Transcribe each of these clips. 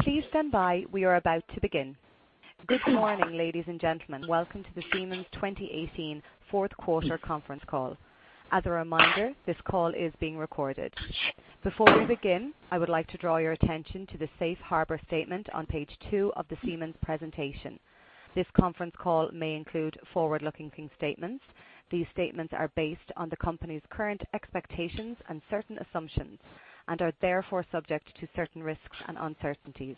Please stand by. We are about to begin. Good morning, ladies and gentlemen. Welcome to the Siemens 2018 fourth quarter conference call. As a reminder, this call is being recorded. Before we begin, I would like to draw your attention to the Safe Harbor statement on page two of the Siemens presentation. This conference call may include forward-looking thing statements. These statements are based on the company's current expectations and certain assumptions, and are therefore subject to certain risks and uncertainties.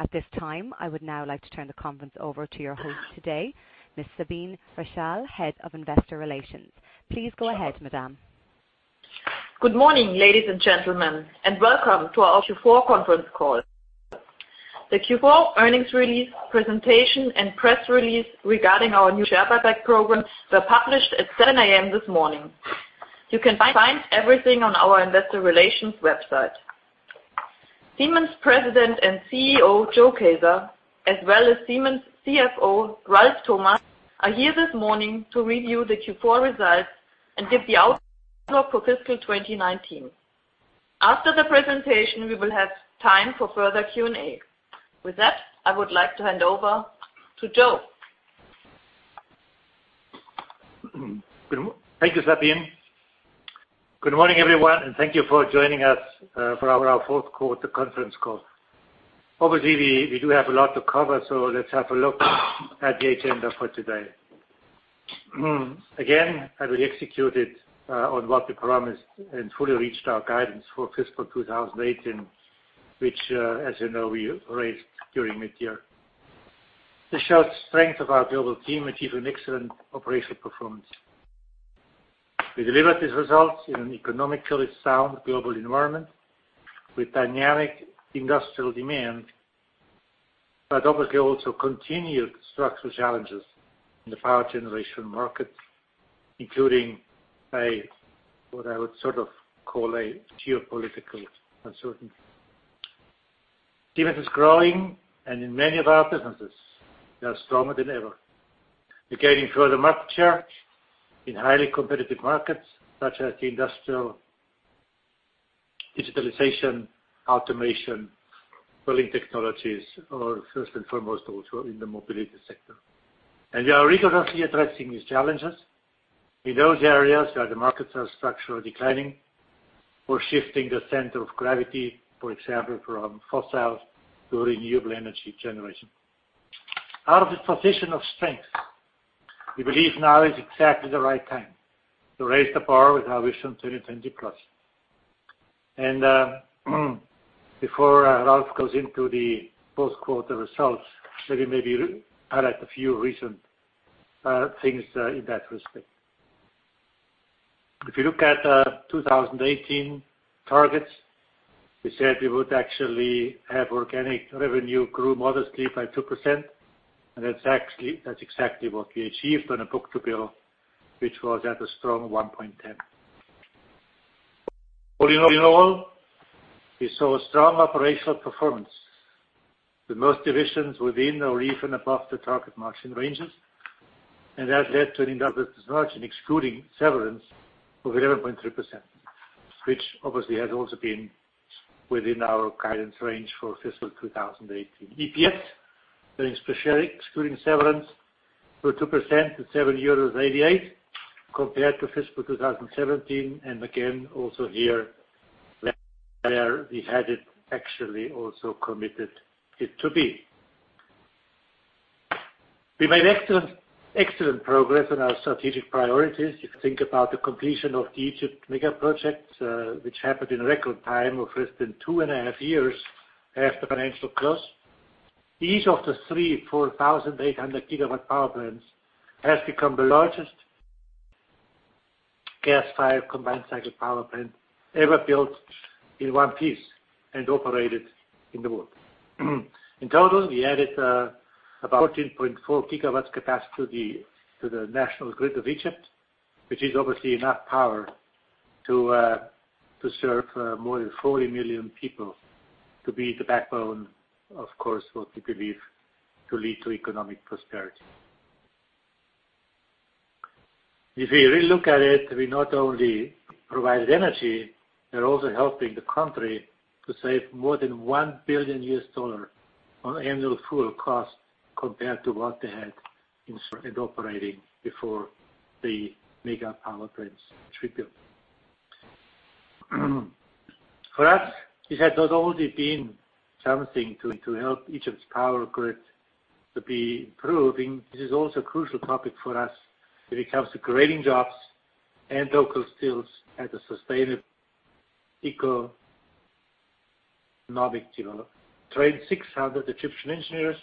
At this time, I would now like to turn the conference over to your host today, Ms. Sabine Reichel, Head of Investor Relations. Please go ahead, madame. Good morning, ladies and gentlemen, and welcome to our Q4 conference call. The Q4 earnings release presentation and press release regarding our new share buyback program were published at 7:00 A.M. this morning. You can find everything on our investor relations website. Siemens President and CEO, Joe Kaeser, as well as Siemens CFO, Ralf Thomas, are here this morning to review the Q4 results and give the outlook for fiscal 2019. After the presentation, we will have time for further Q&A. With that, I would like to hand over to Joe. Thank you, Sabine. Good morning, everyone, and thank you for joining us for our fourth quarter conference call. Obviously, we do have a lot to cover, so let's have a look at the agenda for today. Again, heavily executed on what we promised and fully reached our guidance for fiscal 2018, which, as you know, we raised during mid-year. This shows strength of our global team achieving excellent operational performance. We delivered these results in an economically sound global environment with dynamic industrial demand, but obviously also continued structural challenges in the power generation market, including a, what I would sort of call a geopolitical uncertainty. Siemens is growing, and in many of our businesses, we are stronger than ever. We're gaining further market share in highly competitive markets, such as industrial digitalization, automation, Building Technologies, or first and foremost also in the Mobility sector. We are rigorously addressing these challenges in those areas where the markets are structurally declining or shifting the center of gravity, for example, from fossil to renewable energy generation. Out of this position of strength, we believe now is exactly the right time to raise the bar with our Vision 2020+. Before Ralf goes into the post-quarter results, let me maybe highlight a few recent things in that respect. If you look at 2018 targets, we said we would actually have organic revenue grew modestly by 2%, and that's exactly what we achieved on a book-to-bill, which was at a strong 1.10. All in all, we saw a strong operational performance with most divisions within or even above the target margin ranges, and that led to an adjusted margin excluding severance of 11.3%, which obviously has also been within our guidance range for fiscal 2018. EPS, very specific, excluding severance, grew 2% to 7.88 euros compared to fiscal 2017. Again, also here, where we had it actually also committed it to be. We made excellent progress on our strategic priorities. If you think about the completion of the Egypt mega project, which happened in record time of less than 2.5 years after financial close. Each of the three 4,800-GW power plants has become the largest gas-fired combined cycle power plant ever built in one piece and operated in the world. In total, we added about 14.4 GW capacity to the national grid of Egypt, which is obviously enough power to serve more than 40 million people, to be the backbone, of course, what we believe to lead to economic prosperity. If we really look at it, we not only provided energy, we're also helping the country to save more than $1 billion on annual fuel cost compared to what they had installed and operating before the mega power plants were built. For us, this has not only been something to help Egypt's power grid to be improving, this is also a crucial topic for us when it comes to creating jobs and local skills as a sustainable economic development. We trained 600 Egyptian engineers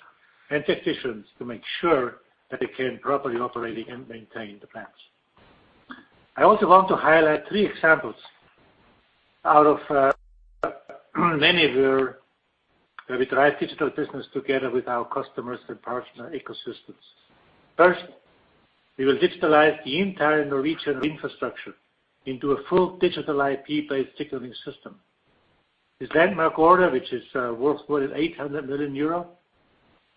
and technicians to make sure that they can properly operate and maintain the plants. I also want to highlight three examples out of many where we drive digital business together with our customers and partner ecosystems. First, we will digitalize the entire Norwegian infrastructure into a full digital IP-based signaling system. This landmark order, which is worth more than 800 million euro,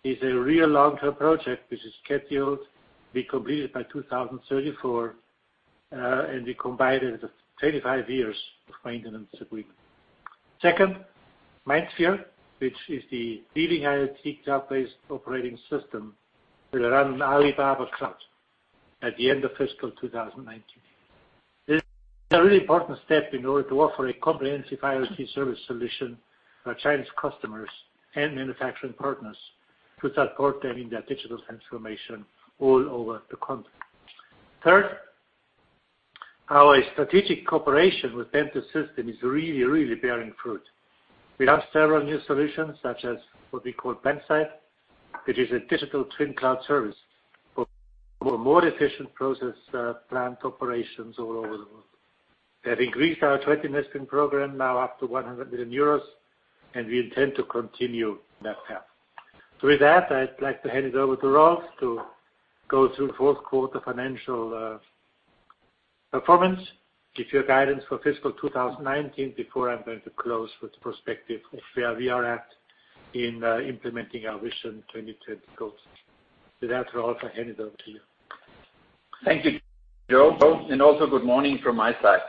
is a real long-term project which is scheduled to be completed by 2034. We combined it with a 25 years of maintenance agreement. Second, MindSphere, which is the leading IoT cloud-based operating system, will run Alibaba Cloud at the end of fiscal 2019. This is a really important step in order to offer a comprehensive IoT service solution for our Chinese customers and manufacturing partners to support them in their digital transformation all over the country. Third, our strategic cooperation with Bentley Systems is really, really bearing fruit. We have several new solutions, such as what we call PlantSight, which is a digital twin cloud service for more efficient process plant operations all over the world. We have increased our trade investing program now up to 100 million euros, we intend to continue that path. With that, I'd like to hand it over to Ralf to go through the fourth quarter financial performance, give you a guidance for fiscal 2019, before I'm going to close with the perspective of where we are at in implementing our Vision 2020+ goals. With that, Ralf, I hand it over to you. Thank you, Joe. Also good morning from my side.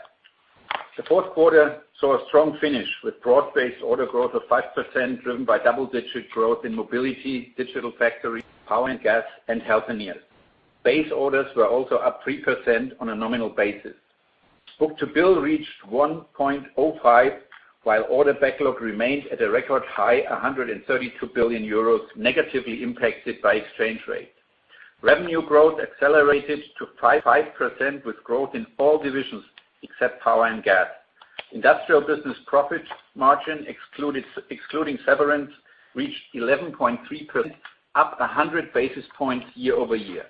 The fourth quarter saw a strong finish with broad-based order growth of 5% driven by double-digit growth in Mobility, Digital Factory, Power and Gas, and Healthineers. Base orders were also up 3% on a nominal basis. Book-to-bill reached 1.05, while order backlog remained at a record high 132 billion euros negatively impacted by exchange rate. Revenue growth accelerated to 5% with growth in all divisions except Power and Gas. Industrial business profit margin excluding severance, reached 11.3%, up 100 basis points year-over-year.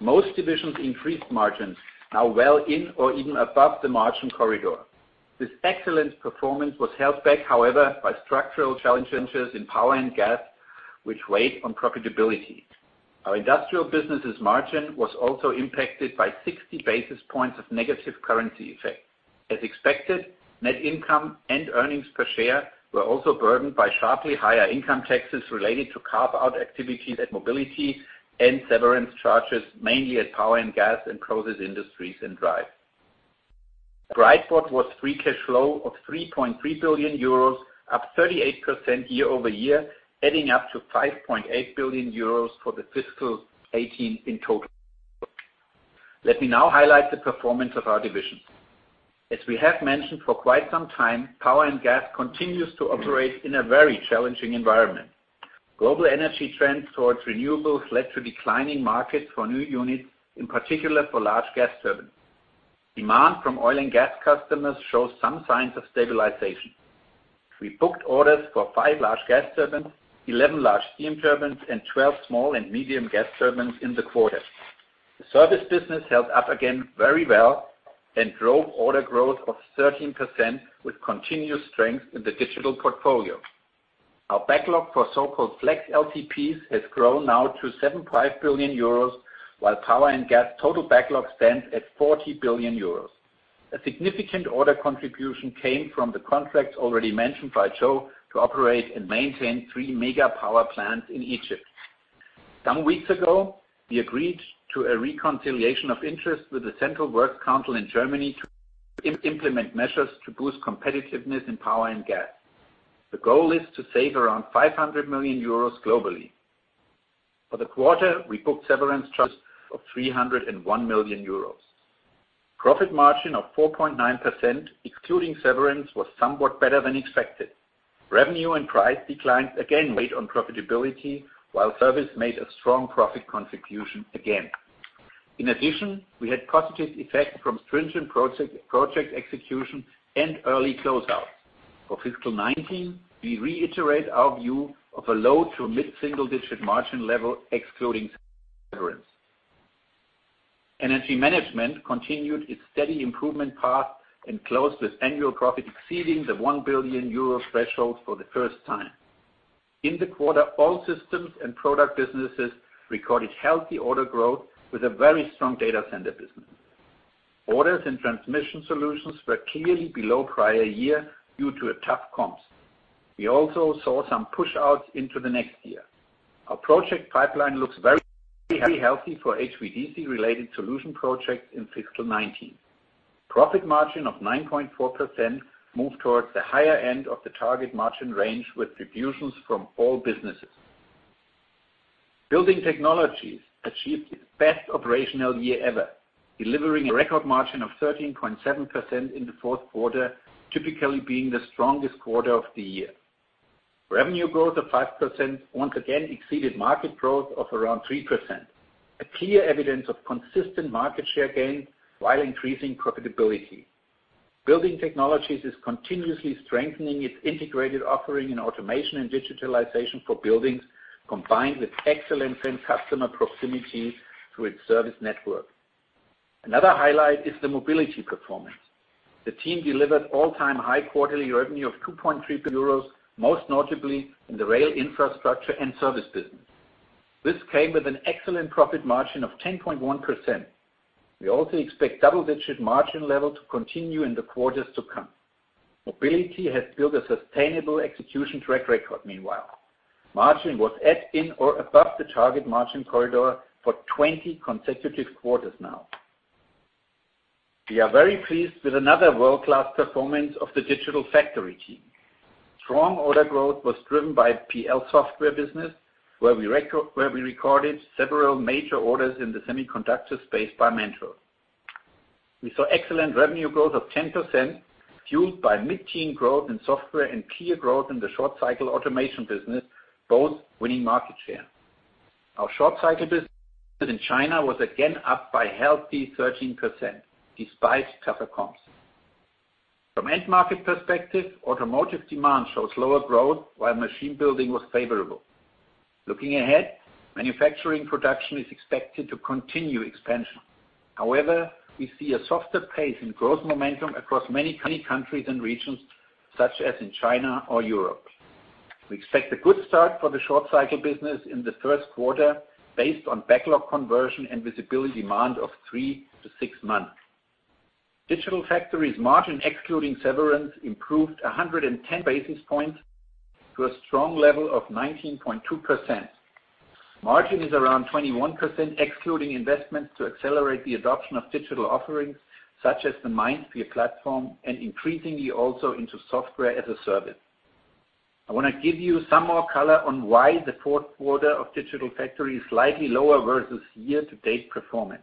Most divisions increased margins now well in or even above the margin corridor. This excellent performance was held back, however, by structural challenges in Power and Gas, which weighed on profitability. Our industrial business' margin was also impacted by 60 basis points of negative currency effect. As expected, net income and earnings per share were also burdened by sharply higher income taxes related to carve-out activities at Mobility and severance charges, mainly at Power and Gas and Process Industries and Drives. Bright spot was free cash flow of 3.3 billion euros, up 38% year-over-year, adding up to 5.8 billion euros for the fiscal 2018 in total. Let me now highlight the performance of our divisions. As we have mentioned for quite some time, Power and Gas continues to operate in a very challenging environment. Global energy trends towards renewables led to declining markets for new units, in particular for large gas turbines. Demand from oil and gas customers shows some signs of stabilization. We booked orders for five large gas turbines, 11 large steam turbines, and 12 small and medium gas turbines in the quarter. The service business held up again very well, drove order growth of 13% with continuous strength in the digital portfolio. Our backlog for so-called Flex LTPs has grown now to 75 billion euros, while Power and Gas total backlog stands at 40 billion euros. A significant order contribution came from the contracts already mentioned by Joe to operate and maintain three mega power plants in Egypt. Some weeks ago, we agreed to a reconciliation of interest with the Central Works Council in Germany to implement measures to boost competitiveness in Power and Gas. The goal is to save around 500 million euros globally. For the quarter, we booked severance charges of 301 million euros. Profit margin of 4.9%, excluding severance, was somewhat better than expected. Revenue and price declines again weighed on profitability, while service made a strong profit contribution again. In addition, we had positive effect from stringent project execution and early closeout. For fiscal 2019, we reiterate our view of a low to mid-single-digit margin level excluding severance. Energy Management continued its steady improvement path and closed with annual profit exceeding the 1 billion euro threshold for the first time. In the quarter, all systems and product businesses recorded healthy order growth with a very strong data center business. Orders and transmission solutions were clearly below prior year due to a tough comps. We also saw some push-outs into the next year. Our project pipeline looks very healthy for HVDC-related solution projects in fiscal 2019. Profit margin of 9.4% moved towards the higher end of the target margin range with contributions from all businesses. Building Technologies achieved its best operational year ever, delivering a record margin of 13.7% in the fourth quarter, typically being the strongest quarter of the year. Revenue growth of 5% once again exceeded market growth of around 3%. A clear evidence of consistent market share gain while increasing profitability. Building Technologies is continuously strengthening its integrated offering in automation and digitalization for buildings, combined with excellence in customer proximity through its service network. Another highlight is the Mobility performance. The team delivered all-time high quarterly revenue of 2.3 billion euros, most notably in the rail infrastructure and service business. This came with an excellent profit margin of 10.1%. We also expect double-digit margin level to continue in the quarters to come. Mobility has built a sustainable execution track record meanwhile. Margin was at, in, or above the target margin corridor for 20 consecutive quarters now. We are very pleased with another world-class performance of the Digital Factory team. Strong order growth was driven by PLM software business, where we recorded several major orders in the semiconductor space by Mentor. We saw excellent revenue growth of 10%, fueled by mid-teen growth in software and clear growth in the short-cycle automation business, both winning market share. Our short-cycle business in China was again up by a healthy 13%, despite tougher comps. From end market perspective, automotive demand shows lower growth while machine building was favorable. Looking ahead, manufacturing production is expected to continue expansion. However, we see a softer pace in growth momentum across many countries and regions, such as in China or Europe. We expect a good start for the short-cycle business in the first quarter based on backlog conversion and visibility demand of three to six months. Digital Factory's margin, excluding severance, improved 110 basis points to a strong level of 19.2%. Margin is around 21%, excluding investments to accelerate the adoption of digital offerings such as the MindSphere platform and increasingly also into software-as-a-service. I want to give you some more color on why the fourth quarter of Digital Factory is slightly lower versus year-to-date performance.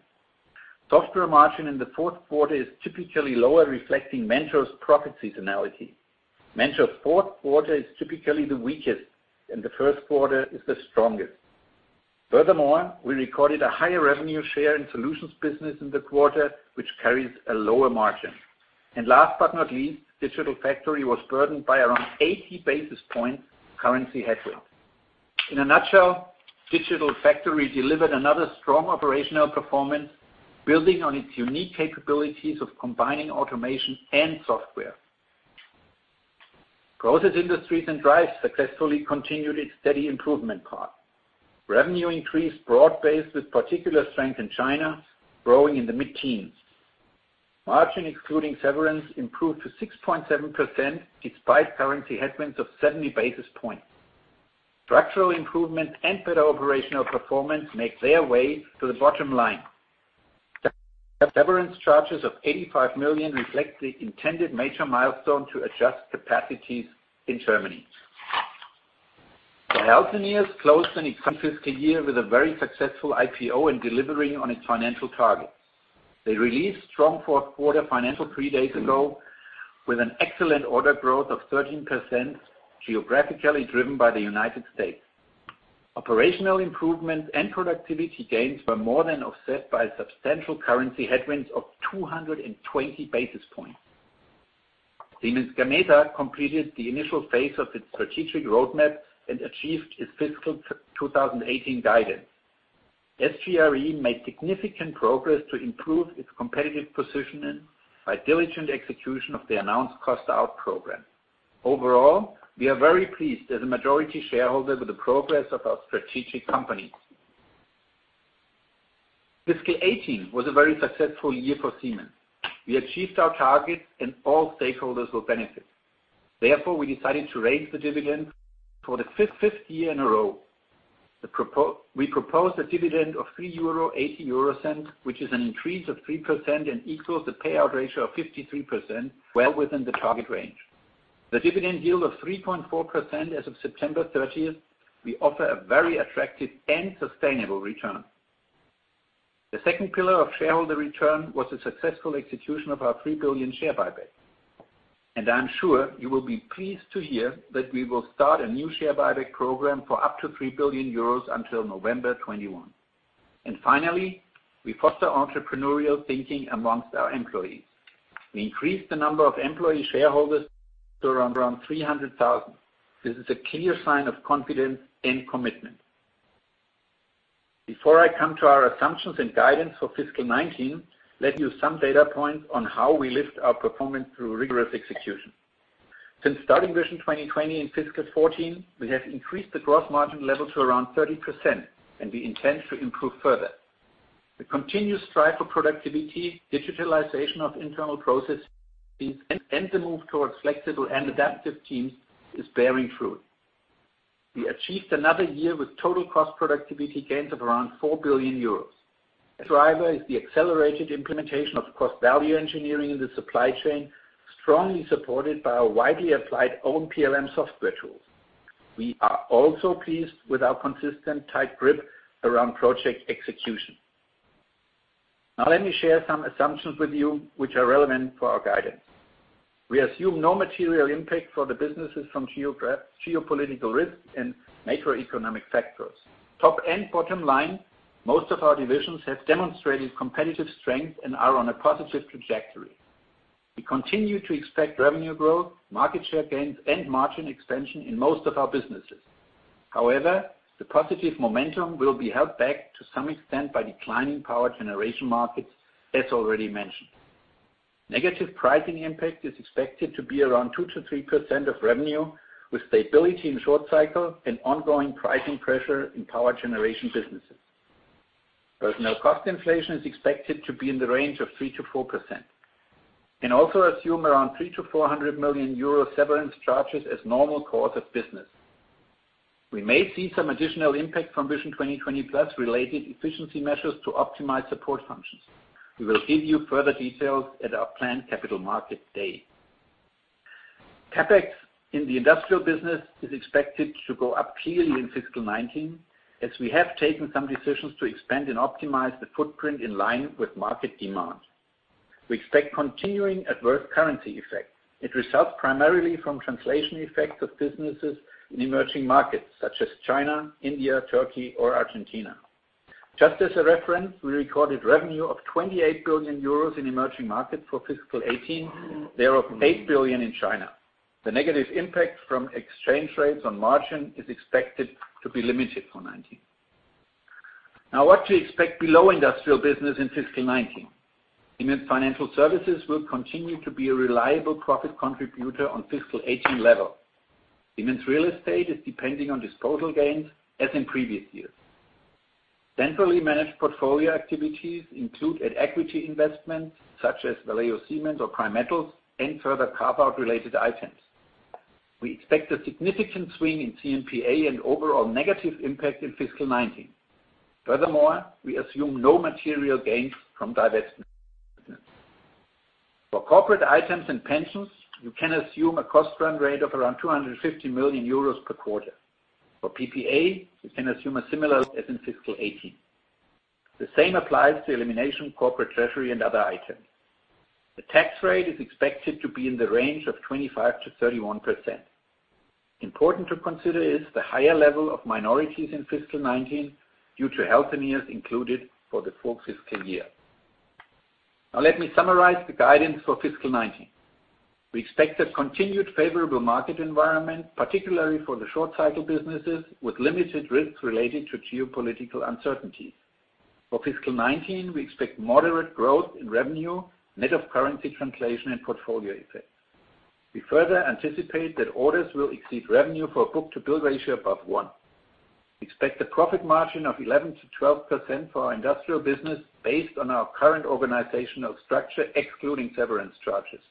Software margin in the fourth quarter is typically lower, reflecting Mentor's profit seasonality. Mentor's fourth quarter is typically the weakest, and the first quarter is the strongest. Furthermore, we recorded a higher revenue share in solutions business in the quarter, which carries a lower margin. Last but not least, Digital Factory was burdened by around 80 basis points currency headwind. In a nutshell, Digital Factory delivered another strong operational performance, building on its unique capabilities of combining automation and software. Process Industries and Drives successfully continued its steady improvement path. Revenue increased broad-based with particular strength in China, growing in the mid-teens. Margin excluding severance improved to 6.7%, despite currency headwinds of 70 basis points. Structural improvement and better operational performance make their way to the bottom line. Severance charges of 85 million reflect the intended major milestone to adjust capacities in Germany. Healthineers closed an exciting fiscal year with a very successful IPO and delivery on its financial targets. They released strong fourth quarter financial three days ago with an excellent order growth of 13%, geographically driven by the United States. Operational improvements and productivity gains were more than offset by substantial currency headwinds of 220 basis points. Siemens Gamesa completed the initial phase of its strategic roadmap and achieved its fiscal 2018 guidance. SGRE made significant progress to improve its competitive positioning by diligent execution of the announced cost-out program. Overall, we are very pleased as a majority shareholder with the progress of our strategic companies. Fiscal 2018 was a very successful year for Siemens. We achieved our targets and all stakeholders will benefit. We decided to raise the dividend for the fifth year in a row. We propose a dividend of 3.80 euro, which is an increase of 3% and equals the payout ratio of 53%, well within the target range. The dividend yield of 3.4% as of September 30th, we offer a very attractive and sustainable return. The second pillar of shareholder return was the successful execution of our 3 billion share buyback. I'm sure you will be pleased to hear that we will start a new share buyback program for up to 3 billion euros until November 21. Finally, we foster entrepreneurial thinking amongst our employees. We increased the number of employee shareholders to around 300,000. This is a clear sign of confidence and commitment. Before I come to our assumptions and guidance for fiscal 2019, let me give you some data points on how we lift our performance through rigorous execution. Since starting Vision 2020 in fiscal 2014, we have increased the gross margin level to around 30%, and we intend to improve further. The continuous strive for productivity, digitalization of internal processes, and the move towards flexible and adaptive teams is bearing fruit. We achieved another year with total cost productivity gains of around 4 billion euros. A driver is the accelerated implementation of cost and value engineering in the supply chain, strongly supported by our widely applied own PLM software tools. We are also pleased with our consistent tight grip around project execution. Let me share some assumptions with you, which are relevant for our guidance. We assume no material impact for the businesses from geopolitical risks and macroeconomic factors. Top and bottom line, most of our divisions have demonstrated competitive strength and are on a positive trajectory. We continue to expect revenue growth, market share gains, and margin expansion in most of our businesses. The positive momentum will be held back to some extent by declining power generation markets, as already mentioned. Negative pricing impact is expected to be around 2%-3% of revenue, with stability in short cycle and ongoing pricing pressure in power generation businesses. Personal cost inflation is expected to be in the range of 3%-4%. Also assume around 300 million-400 million euro severance charges as normal course of business. We may see some additional impact from Vision 2020+ related efficiency measures to optimize support functions. We will give you further details at our planned Capital Market Day. CapEx in the industrial business is expected to go up clearly in fiscal 2019, as we have taken some decisions to expand and optimize the footprint in line with market demand. We expect continuing adverse currency effects. It results primarily from translation effects of businesses in emerging markets such as China, India, Turkey, or Argentina. Just as a reference, we recorded revenue of 28 billion euros in emerging markets for fiscal 2018, thereof 8 billion in China. The negative impact from exchange rates on margin is expected to be limited for 2019. Now what to expect below industrial business in fiscal 2019. Siemens Financial Services will continue to be a reliable profit contributor on fiscal 2018 level. Siemens Real Estate is depending on disposal gains as in previous years. Centrally managed portfolio activities include an equity investment such as Valeo Siemens or Primetals and further carve-out related items. We expect a significant swing in CMPA and overall negative impact in fiscal 2019. Furthermore, we assume no material gains from divestment. For corporate items and pensions, you can assume a cost run rate of around 250 million euros per quarter. For PPA, you can assume a similar as in fiscal 2018. The same applies to elimination of corporate treasury and other items. The tax rate is expected to be in the range of 25%-31%. Important to consider is the higher level of minorities in fiscal 2019 due to Healthineers included for the full fiscal year. Now let me summarize the guidance for fiscal 2019. We expect a continued favorable market environment, particularly for the short-cycle businesses, with limited risks related to geopolitical uncertainties. For fiscal 2019, we expect moderate growth in revenue, net of currency translation and portfolio effects. We further anticipate that orders will exceed revenue for a book-to-bill ratio above one. We expect a profit margin of 11%-12% for our industrial business based on our current organizational structure, excluding severance charges.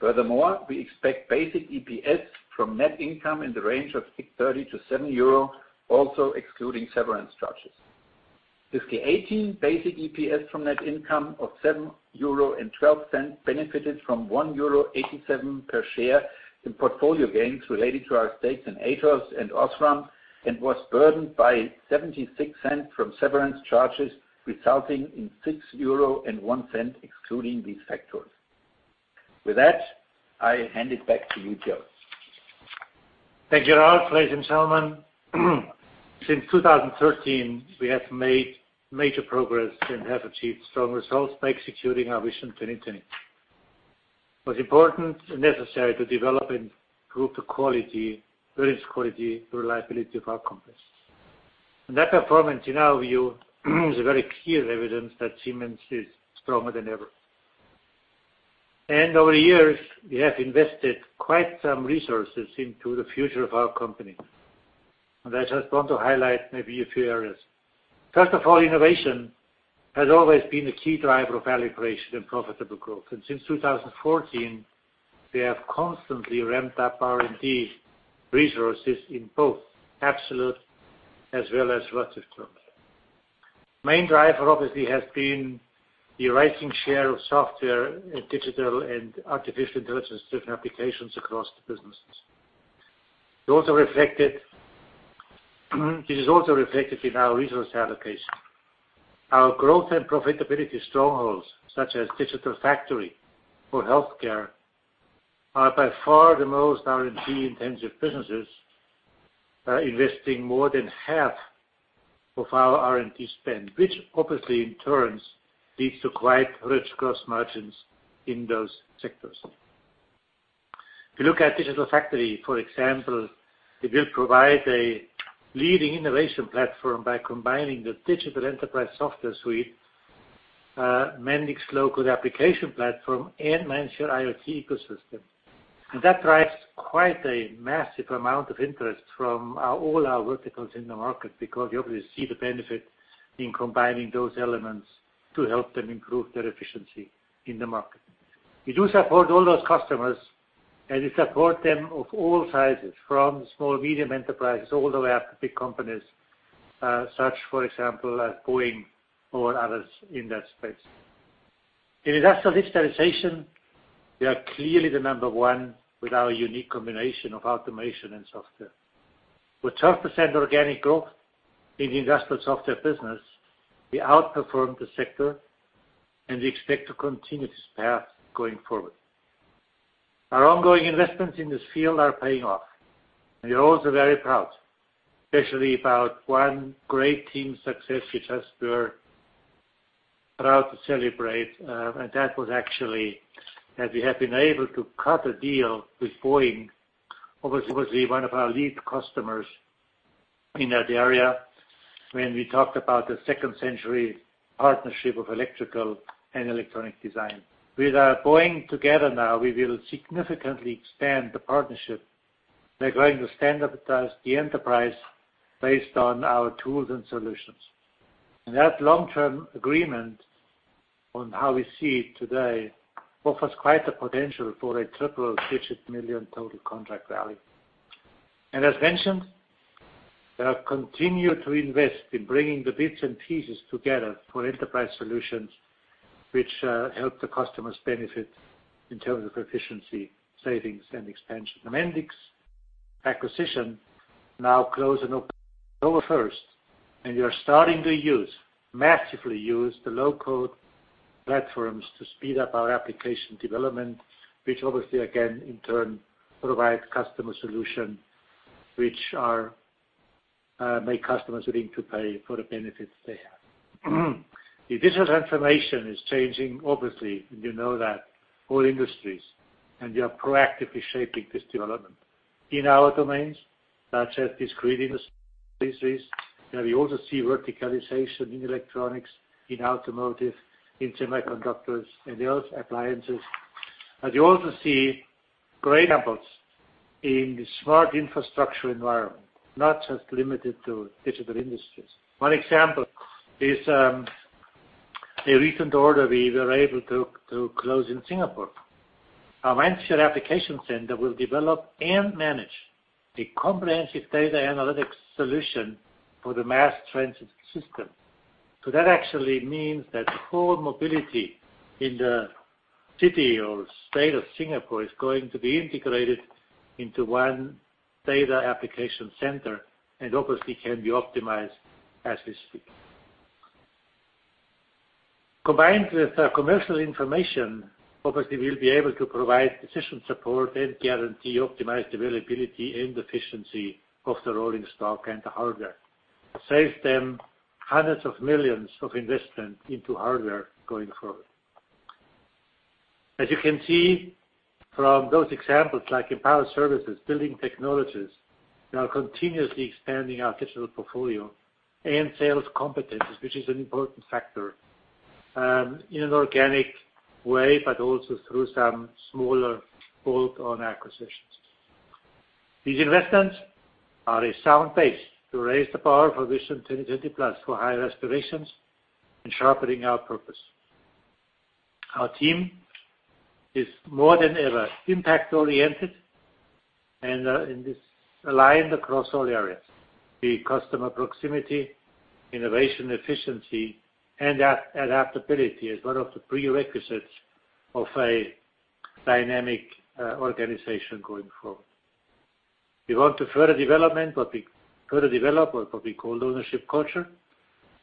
Furthermore, we expect basic EPS from net income in the range of 6.30-7 euro, also excluding severance charges. Fiscal 2018 basic EPS from net income of 7.12 euro benefited from 1.87 euro per share in portfolio gains related to our stakes in Atos and Osram and was burdened by 0.76 from severance charges, resulting in 6.01 euro excluding these factors. With that, I hand it back to you, Joe. Thank you, Ralf. Ladies and gentlemen, since 2013, we have made major progress and have achieved strong results by executing our Vision 2020. What is important and necessary to develop and prove the quality, various quality, reliability of our companies. That performance, in our view, is a very clear evidence that Siemens is stronger than ever. Over the years, we have invested quite some resources into the future of our company. I just want to highlight maybe a few areas. First of all, innovation has always been a key driver of value creation and profitable growth. Since 2014, we have constantly ramped up R&D resources in both absolute as well as relative terms. Main driver obviously has been the rising share of software and digital and artificial intelligence-driven applications across the businesses. It is also reflected in our resource allocation. Our growth and profitability strongholds, such as Digital Factory or Healthcare, are by far the most R&D-intensive businesses, investing more than half of our R&D spend, which obviously in turn leads to quite rich gross margins in those sectors. If you look at Digital Factory, for example, it will provide a leading innovation platform by combining the Digital Enterprise Software Suite, Mendix low-code application platform, and MindSphere IoT ecosystem. That drives quite a massive amount of interest from all our verticals in the market because we obviously see the benefit in combining those elements to help them improve their efficiency in the market. We do support all those customers, and we support them of all sizes, from small-medium enterprises all the way up to big companies, such, for example, as Boeing or others in that space. In industrial digitization, we are clearly the number one with our unique combination of automation and software. With 12% organic growth in the industrial software business, we outperformed the sector, we expect to continue this path going forward. Our ongoing investments in this field are paying off, we're also very proud, especially about one great team success, which we're proud to celebrate, that was actually that we have been able to cut a deal with Boeing, obviously one of our lead customers in that area when we talked about the second century partnership of electrical and electronic design. With Boeing together now, we will significantly expand the partnership. They're going to standardize the enterprise based on our tools and solutions. That long-term agreement on how we see it today offers quite the potential for atriple-digit million total contract value. As mentioned, continue to invest in bringing the bits and pieces together for enterprise solutions, which help the customers benefit in terms of efficiency, savings, and expansion. The Mendix acquisition now closed on October 1st, we are starting to massively use the low-code platforms to speed up our application development, which obviously, again, in turn provide customer solution, which make customers willing to pay for the benefits they have. Digital transformation is changing, obviously, you know that, all industries, we are proactively shaping this development. In our domains, such as discrete industries. We also see verticalization in electronics, in automotive, in semiconductors, and the other appliances. You also see great examples in the Smart Infrastructure environment, not just limited to Digital Industries. One example is a recent order we were able to close in Singapore. Our managed application center will develop and manage a comprehensive data analytics solution for the mass transit system. That actually means that whole Mobility in the city or state of Singapore is going to be integrated into one data application center and obviously can be optimized as we speak. Combined with our commercial information, obviously we'll be able to provide decision support and guarantee optimized availability and efficiency of the rolling stock and the hardware. Save them hundreds of millions of investment into hardware going forward. As you can see from those examples, like Empower Services, Building Technologies, we are continuously expanding our digital portfolio and sales competencies, which is an important factor, in an organic way, but also through some smaller bolt-on acquisitions. These investments are a sound base to raise the bar for Vision 2020+ for higher aspirations and sharpening our purpose. Our team is more than ever impact-oriented and aligned across all areas. The customer proximity, innovation, efficiency, and adaptability is one of the prerequisites of a dynamic organization going forward. We want to further develop what we call the ownership culture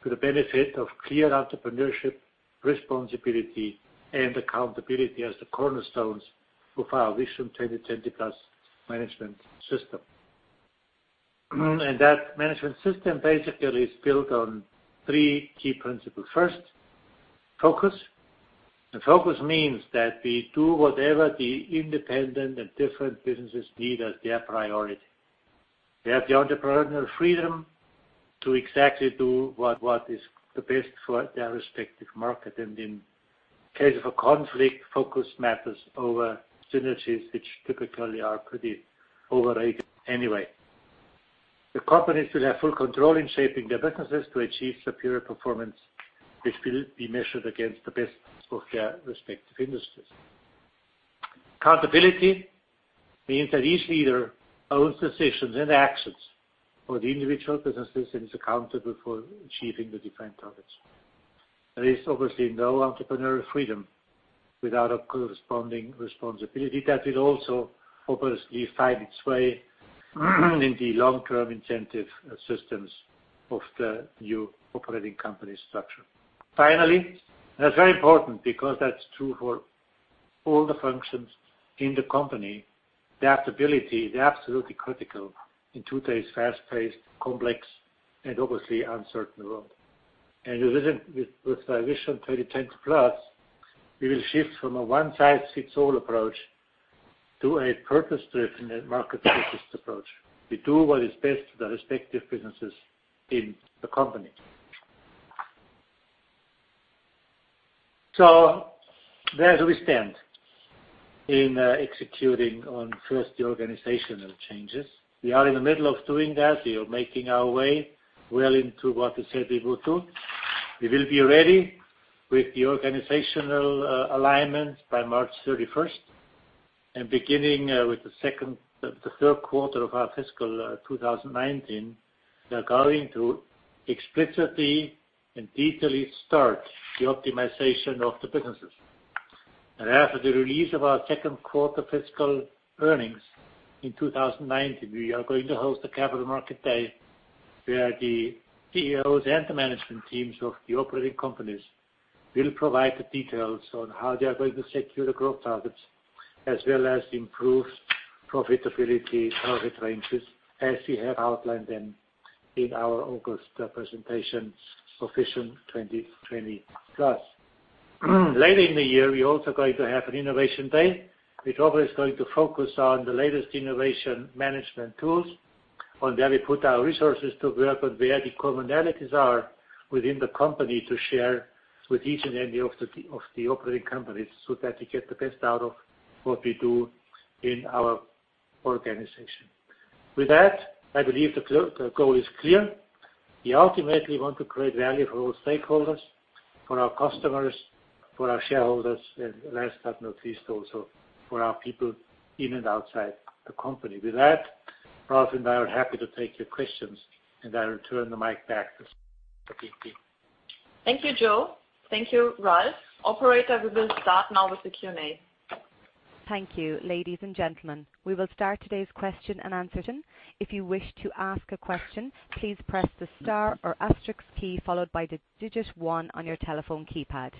for the benefit of clear entrepreneurship, responsibility, and accountability as the cornerstones for our Vision 2020+ management system. That management system basically is built on three key principles. First, focus. Focus means that we do whatever the independent and different businesses need as their priority. They have the entrepreneurial freedom to exactly do what is the best for their respective market. In case of a conflict, focus matters over synergies, which typically are pretty overrated anyway. The companies will have full control in shaping their businesses to achieve superior performance, which will be measured against the best of their respective industries. Accountability means that each leader owns decisions and actions for the individual businesses and is accountable for achieving the defined targets. There is obviously no entrepreneurial freedom without a corresponding responsibility. That will also obviously find its way in the long-term incentive systems of the new operating company structure. Finally, that's very important because that's true for all the functions in the company, adaptability is absolutely critical in today's fast-paced, complex, and obviously uncertain world. With Vision 2020+, we will shift from a one-size-fits-all approach to a purpose-driven and market-focused approach. We do what is best for the respective businesses in the company. Where do we stand in executing on first the organizational changes? We are in the middle of doing that. We are making our way well into what we said we would do. We will be ready with the organizational alignment by March 31st. Beginning with the third quarter of our fiscal 2019, we are going to explicitly and deeply start the optimization of the businesses. After the release of our second quarter fiscal earnings in 2019, we are going to host a Capital Market Day where the CEOs and the management teams of the operating companies will provide the details on how they are going to secure the growth targets as well as improve profitability, profit ranges, as we have outlined them in our August presentations for Vision 2020+. Later in the year, we're also going to have an Innovation Day, which also is going to focus on the latest innovation management tools, on where we put our resources to work and where the commonalities are within the company to share with each and any of the operating companies so that we get the best out of what we do in our organization. With that, I believe the goal is clear. We ultimately want to create value for all stakeholders, for our customers, for our shareholders, and last but not least, also for our people in and outside the company. With that, Ralf and I are happy to take your questions. I'll turn the mic back to Sabine. Thank you, Joe. Thank you, Ralf. Operator, we will start now with the Q&A. Thank you. Ladies and gentlemen, we will start today's question and answer. If you wish to ask a question, please press the star or asterisk key followed by the digit one on your telephone keypad.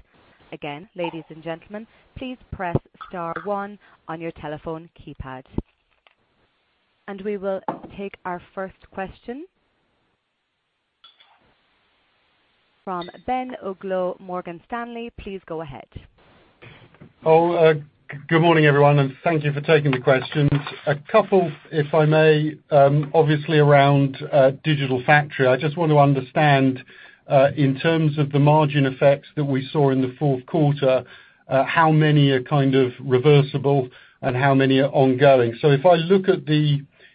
Again, ladies and gentlemen, please press star one on your telephone keypad. We will take our first question from Ben Uglow, Morgan Stanley. Please go ahead. Good morning, everyone. Thank you for taking the questions. A couple, if I may, obviously around Digital Factory. I just want to understand, in terms of the margin effects that we saw in the fourth quarter, how many are reversible and how many are ongoing?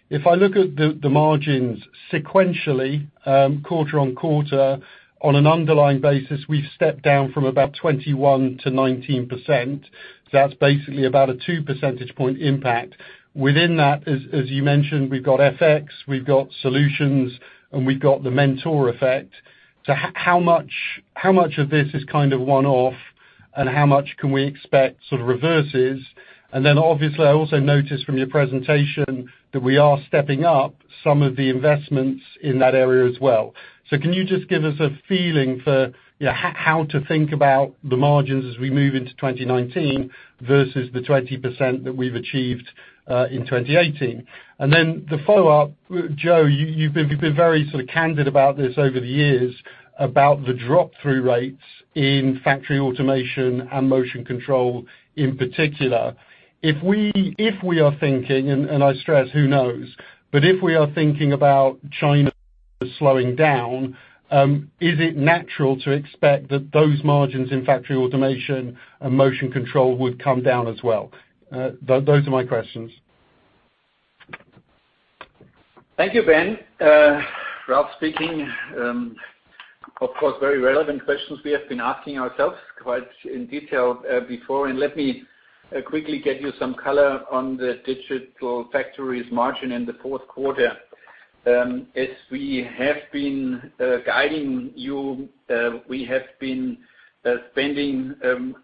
If I look at the margins sequentially, quarter-on-quarter, on an underlying basis, we've stepped down from about 21% to 19%. That's basically about a 2 percentage point impact. Within that, as you mentioned, we've got FX, we've got solutions, and we've got the Mentor effect. How much of this is one-off, and how much can we expect reverses? Obviously, I also noticed from your presentation that we are stepping up some of the investments in that area as well. Can you just give us a feeling for how to think about the margins as we move into 2019 versus the 20% that we've achieved in 2018? The follow-up, Joe, you've been very candid about this over the years about the drop-through rates in factory automation and motion control in particular. If we are thinking, and I stress, who knows, but if we are thinking about China slowing down, is it natural to expect that those margins in factory automation and motion control would come down as well? Those are my questions. Thank you, Ben. Ralf speaking. Of course, very relevant questions we have been asking ourselves quite in detail before. Let me quickly get you some color on the Digital Factory's margin in the fourth quarter. As we have been guiding you, we have been spending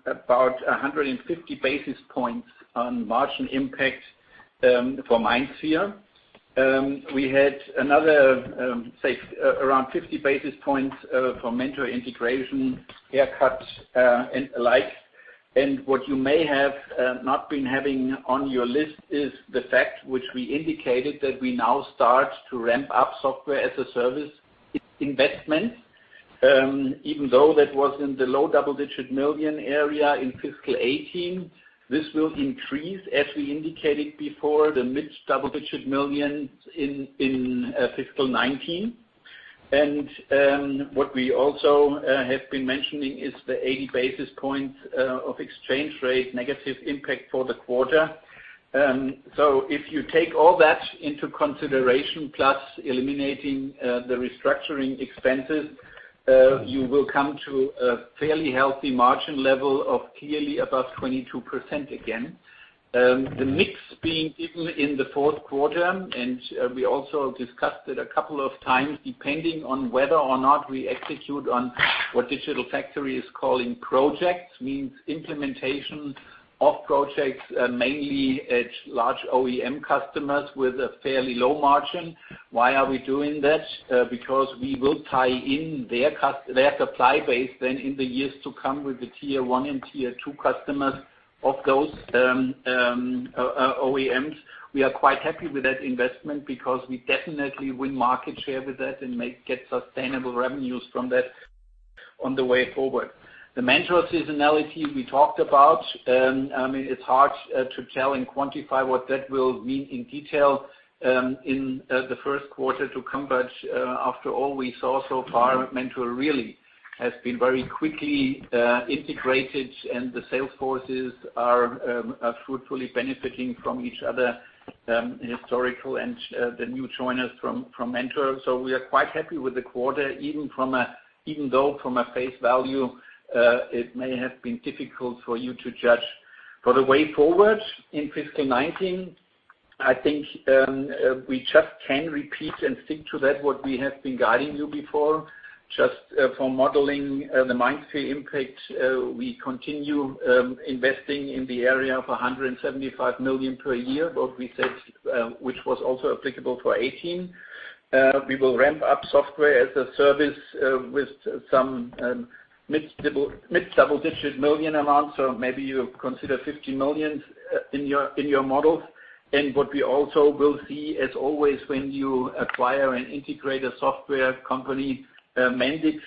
about 150 basis points on margin impact for MindSphere. We had another, say, around 50 basis points for Mentor integration haircuts and the like. What you may have not been having on your list is the fact which we indicated that we now start to ramp up software-as-a-service investment. Even though that was in the low double-digit million area in fiscal 2018, this will increase, as we indicated before, the mid double-digit millions in fiscal 2019. What we also have been mentioning is the 80 basis points of exchange rate negative impact for the quarter. If you take all that into consideration, plus eliminating the restructuring expenses, you will come to a fairly healthy margin level of clearly above 22% again. The mix being given in the Q4, we also discussed it a couple of times, depending on whether or not we execute on what Digital Factory is calling projects, means implementation of projects, mainly at large OEM customers with a fairly low margin. Why are we doing that? Because we will tie in their supply base then in the years to come with the Tier 1 and Tier 2 customers of those OEMs. We are quite happy with that investment because we definitely win market share with that and may get sustainable revenues from that on the way forward. The Mentor seasonality we talked about, it's hard to tell and quantify what that will mean in detail in the first quarter to come, but after all we saw so far, Mentor really has been very quickly integrated, and the sales forces are fruitfully benefiting from each other, historical and the new joiners from Mentor. We are quite happy with the quarter, even though from a face value, it may have been difficult for you to judge. For the way forward in fiscal 2019, I think we just can repeat and stick to that what we have been guiding you before. Just for modeling the MindSphere impact, we continue investing in the area of 175 million per year, what we said, which was also applicable for 2018. We will ramp up software-as-a-service with some mid double-digit million amounts. Maybe you consider 15 million in your model. What we also will see, as always, when you acquire and integrate a software company, Mendix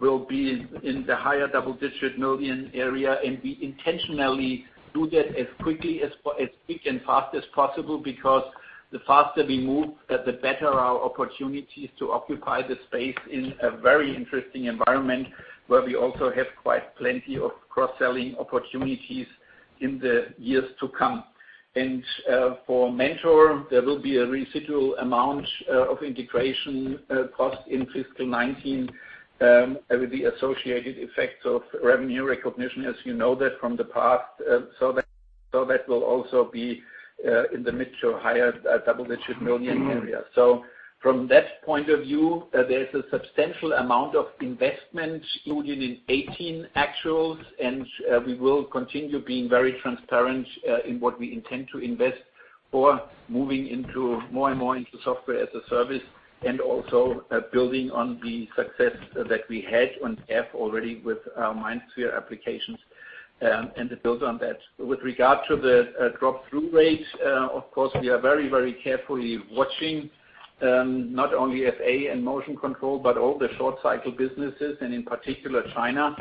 will be in the higher double-digit million EUR area, and we intentionally do that as quick and fast as possible, because the faster we move, the better our opportunities to occupy the space in a very interesting environment, where we also have quite plenty of cross-selling opportunities in the years to come. For Mentor, there will be a residual amount of integration cost in fiscal 2019, with the associated effects of revenue recognition, as you know that from the past. That will also be in the mid to higher double-digit million EUR area. From that point of view, there's a substantial amount of investment included in 2018 actuals, and we will continue being very transparent in what we intend to invest for moving more into software-as-a-service and also building on the success that we had on FA already with our MindSphere applications, and to build on that. With regard to the drop-through rates, of course, we are very carefully watching not only FA and motion control, but all the short-cycle businesses, and in particular, China.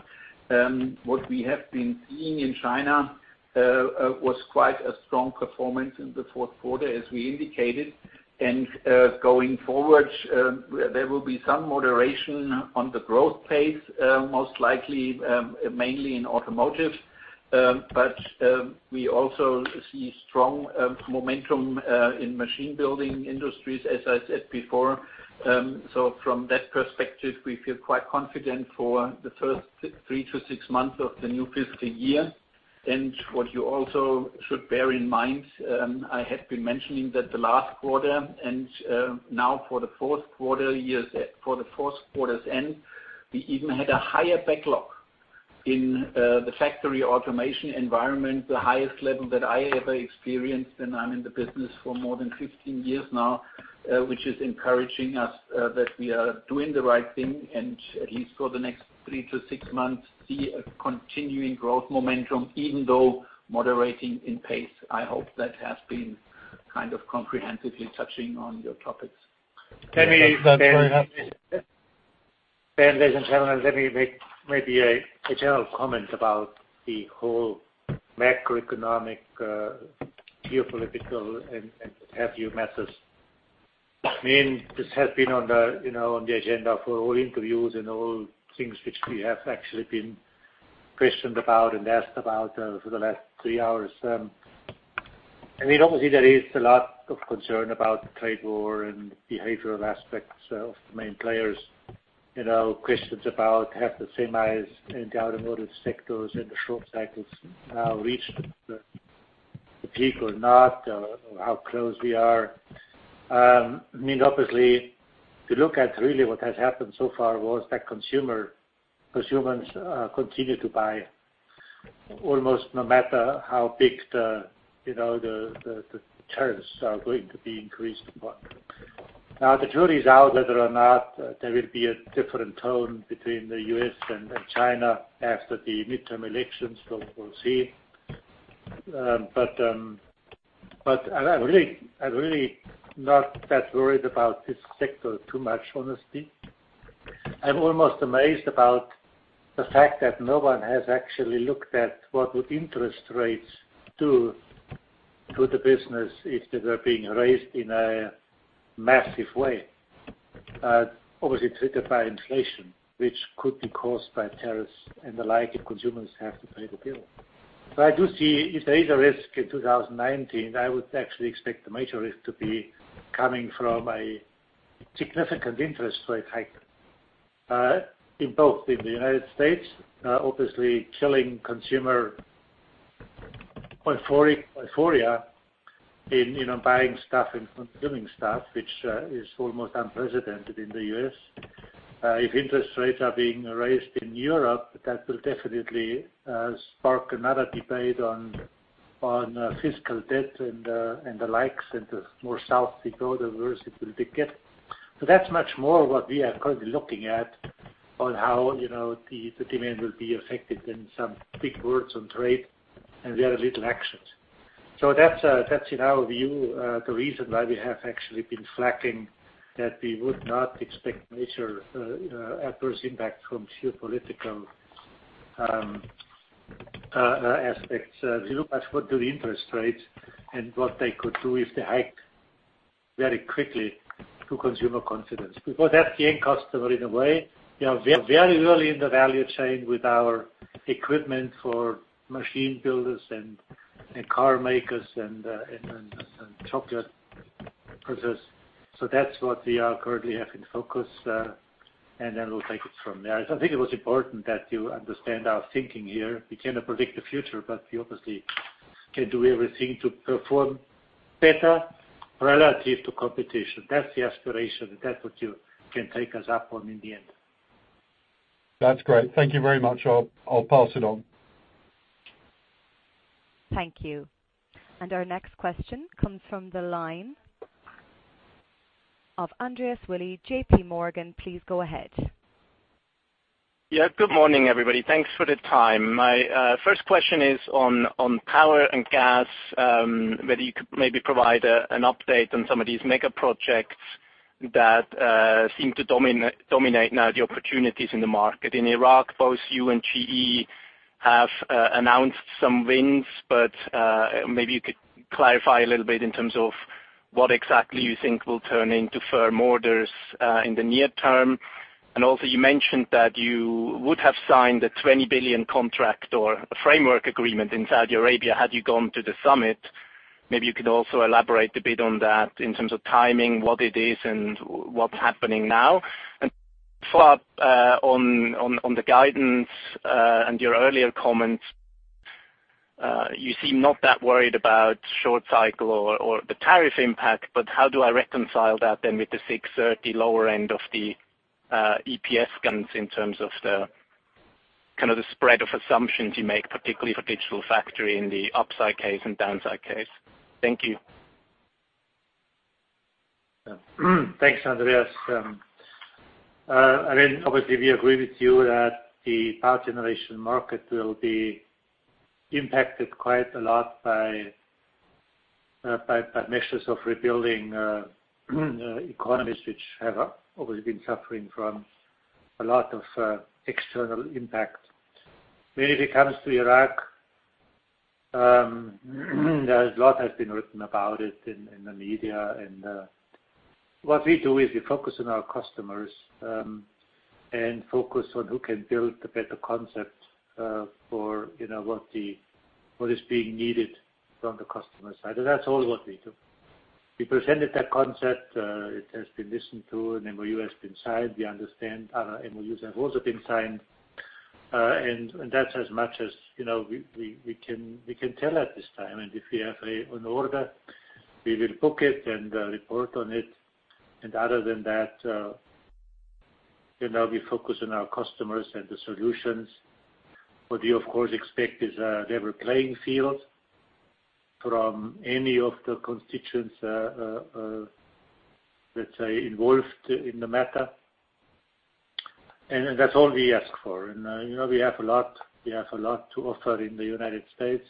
What we have been seeing in China was quite a strong performance in the fourth quarter, as we indicated. Going forward, there will be some moderation on the growth pace, most likely, mainly in automotive. We also see strong momentum in machine building industries, as I said before. From that perspective, we feel quite confident for the first three to six months of the new fiscal year. What you also should bear in mind, I have been mentioning that the last quarter, and now for the fourth quarter end, we even had a higher backlog in the factory automation environment, the highest level that I ever experienced, and I'm in the business for more than 15 years now, which is encouraging us that we are doing the right thing, and at least for the next three to six months, see a continuing growth momentum, even though moderating in pace. I hope that has been comprehensively touching on your topics. That's very helpful. Ben, ladies and gentlemen, let me make maybe a general comment about the whole macroeconomic, geopolitical, and have you methods. This has been on the agenda for all interviews and all things which we have actually been questioned about and asked about for the last three hours. Obviously, there is a lot of concern about the trade war and behavioral aspects of the main players. Questions about have the same eyes in the automotive sectors and the short cycles now reached the peak or not, or how close we are. Obviously, if you look at really what has happened so far was that consumers continue to buy almost no matter how big the tariffs are going to be increased. The jury is out whether or not there will be a different tone between the U.S. and China after the midterm elections. We'll see. I'm really not that worried about this sector too much, honestly. I'm almost amazed about the fact that no one has actually looked at what would interest rates do to the business if they were being raised in a massive way. Obviously, triggered by inflation, which could be caused by tariffs and the like, if consumers have to pay the bill. I do see if there is a risk in 2019, I would actually expect the major risk to be coming from a significant interest rate hike in both in the United States, obviously killing consumer euphoria in buying stuff and consuming stuff, which is almost unprecedented in the U.S. If interest rates are being raised in Europe, that will definitely spark another debate on fiscal debt and the likes. The more south we go, the worse it will get. That's much more what we are currently looking at on how the demand will be affected than some big words on trade and very little actions. That's in our view, the reason why we have actually been flagging that we would not expect major adverse impact from geopolitical aspects. If you look at what do the interest rates and what they could do if they hike very quickly to consumer confidence, because that's the end customer, in a way. We are very early in the value chain with our equipment for machine builders and car makers and chocolate producers. That's what we are currently have in focus. We'll take it from there. I think it was important that you understand our thinking here. We cannot predict the future, but we obviously can do everything to perform better relative to competition. That's the aspiration, and that's what you can take us up on in the end. That's great. Thank you very much. I'll pass it on. Thank you. Our next question comes from the line of Andreas Willi, JPMorgan. Please go ahead. Yeah. Good morning, everybody. Thanks for the time. My first question is on Power and Gas, whether you could maybe provide an update on some of these mega projects that seem to dominate now the opportunities in the market. In Iraq, both you and GE have announced some wins, but maybe you could clarify a little bit in terms of what exactly you think will turn into firm orders in the near term. Also, you mentioned that you would have signed a 20 billion contract or a framework agreement in Saudi Arabia had you gone to the summit. Maybe you could also elaborate a bit on that in terms of timing, what it is, and what's happening now. Follow up on the guidance, and your earlier comments. You seem not that worried about short cycle or the tariff impact, but how do I reconcile that then with the 6.30 lower end of the EPS guidance in terms of the spread of assumptions you make, particularly for Digital Factory in the upside case and downside case? Thank you. Thanks, Andreas. Obviously, we agree with you that the power generation market will be impacted quite a lot by measures of rebuilding economies, which have obviously been suffering from a lot of external impact. When it comes to Iraq, a lot has been written about it in the media. What we do is we focus on our customers, and focus on who can build a better concept for what is being needed from the customer side. That's all what we do. We presented that concept. It has been listened to, an MOU has been signed. We understand other MOUs have also been signed. That's as much as we can tell at this time. If we have an order, we will book it and report on it. Other than that, we focus on our customers and the solutions. What we, of course, expect is a level playing field from any of the constituents, let's say, involved in the matter. That's all we ask for. We have a lot to offer in the United States,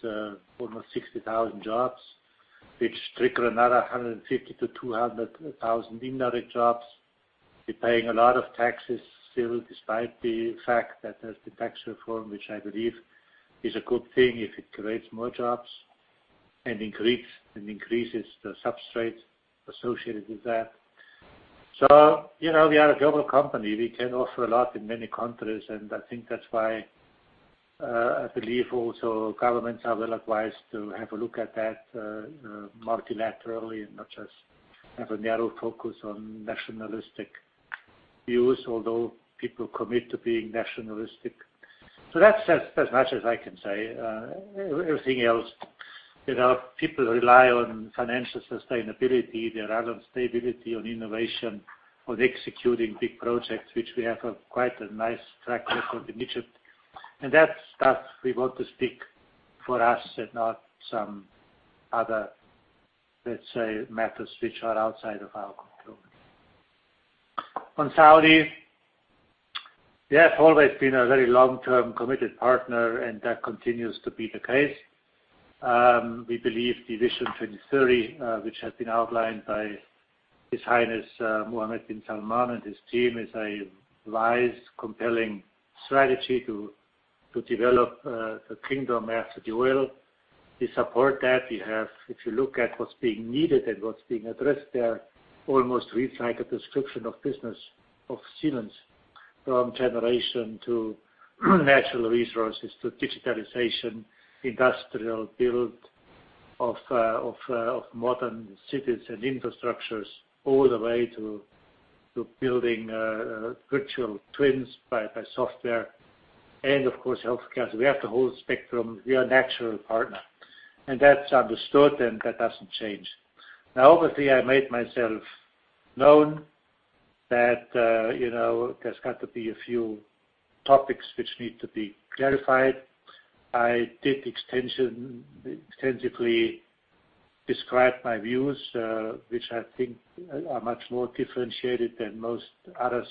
almost 60,000 jobs, which trigger another 150,000-200,000 indirect jobs. We're paying a lot of taxes still, despite the fact that there's the tax reform, which I believe is a good thing if it creates more jobs and increases the substrate associated with that. We are a global company. We can offer a lot in many countries, and I think that's why I believe also governments are well advised to have a look at that multilaterally and not just have a narrow focus on nationalistic views, although people commit to being nationalistic. That's as much as I can say. Everything else, people rely on financial sustainability, they rely on stability, on innovation, on executing big projects, which we have quite a nice track record in Egypt. That's stuff we want to speak for us and not some other, let's say, matters which are outside of our control. On Saudi, they have always been a very long-term, committed partner, and that continues to be the case. We believe the Vision 2020+, which has been outlined by His Highness Mohammed bin Salman and his team, is a wise, compelling strategy to develop the kingdom after the oil. We support that. If you look at what's being needed and what's being addressed there, almost reads like a description of business of Siemens, from generation to natural resources to digitalization, industrial build of modern cities and infrastructures, all the way to building virtual twins by software and, of course, healthcare. We have the whole spectrum. We are a natural partner. That's understood, and that doesn't change. Obviously, I made myself known that there's got to be a few topics which need to be clarified. I did extensively describe my views, which I think are much more differentiated than most others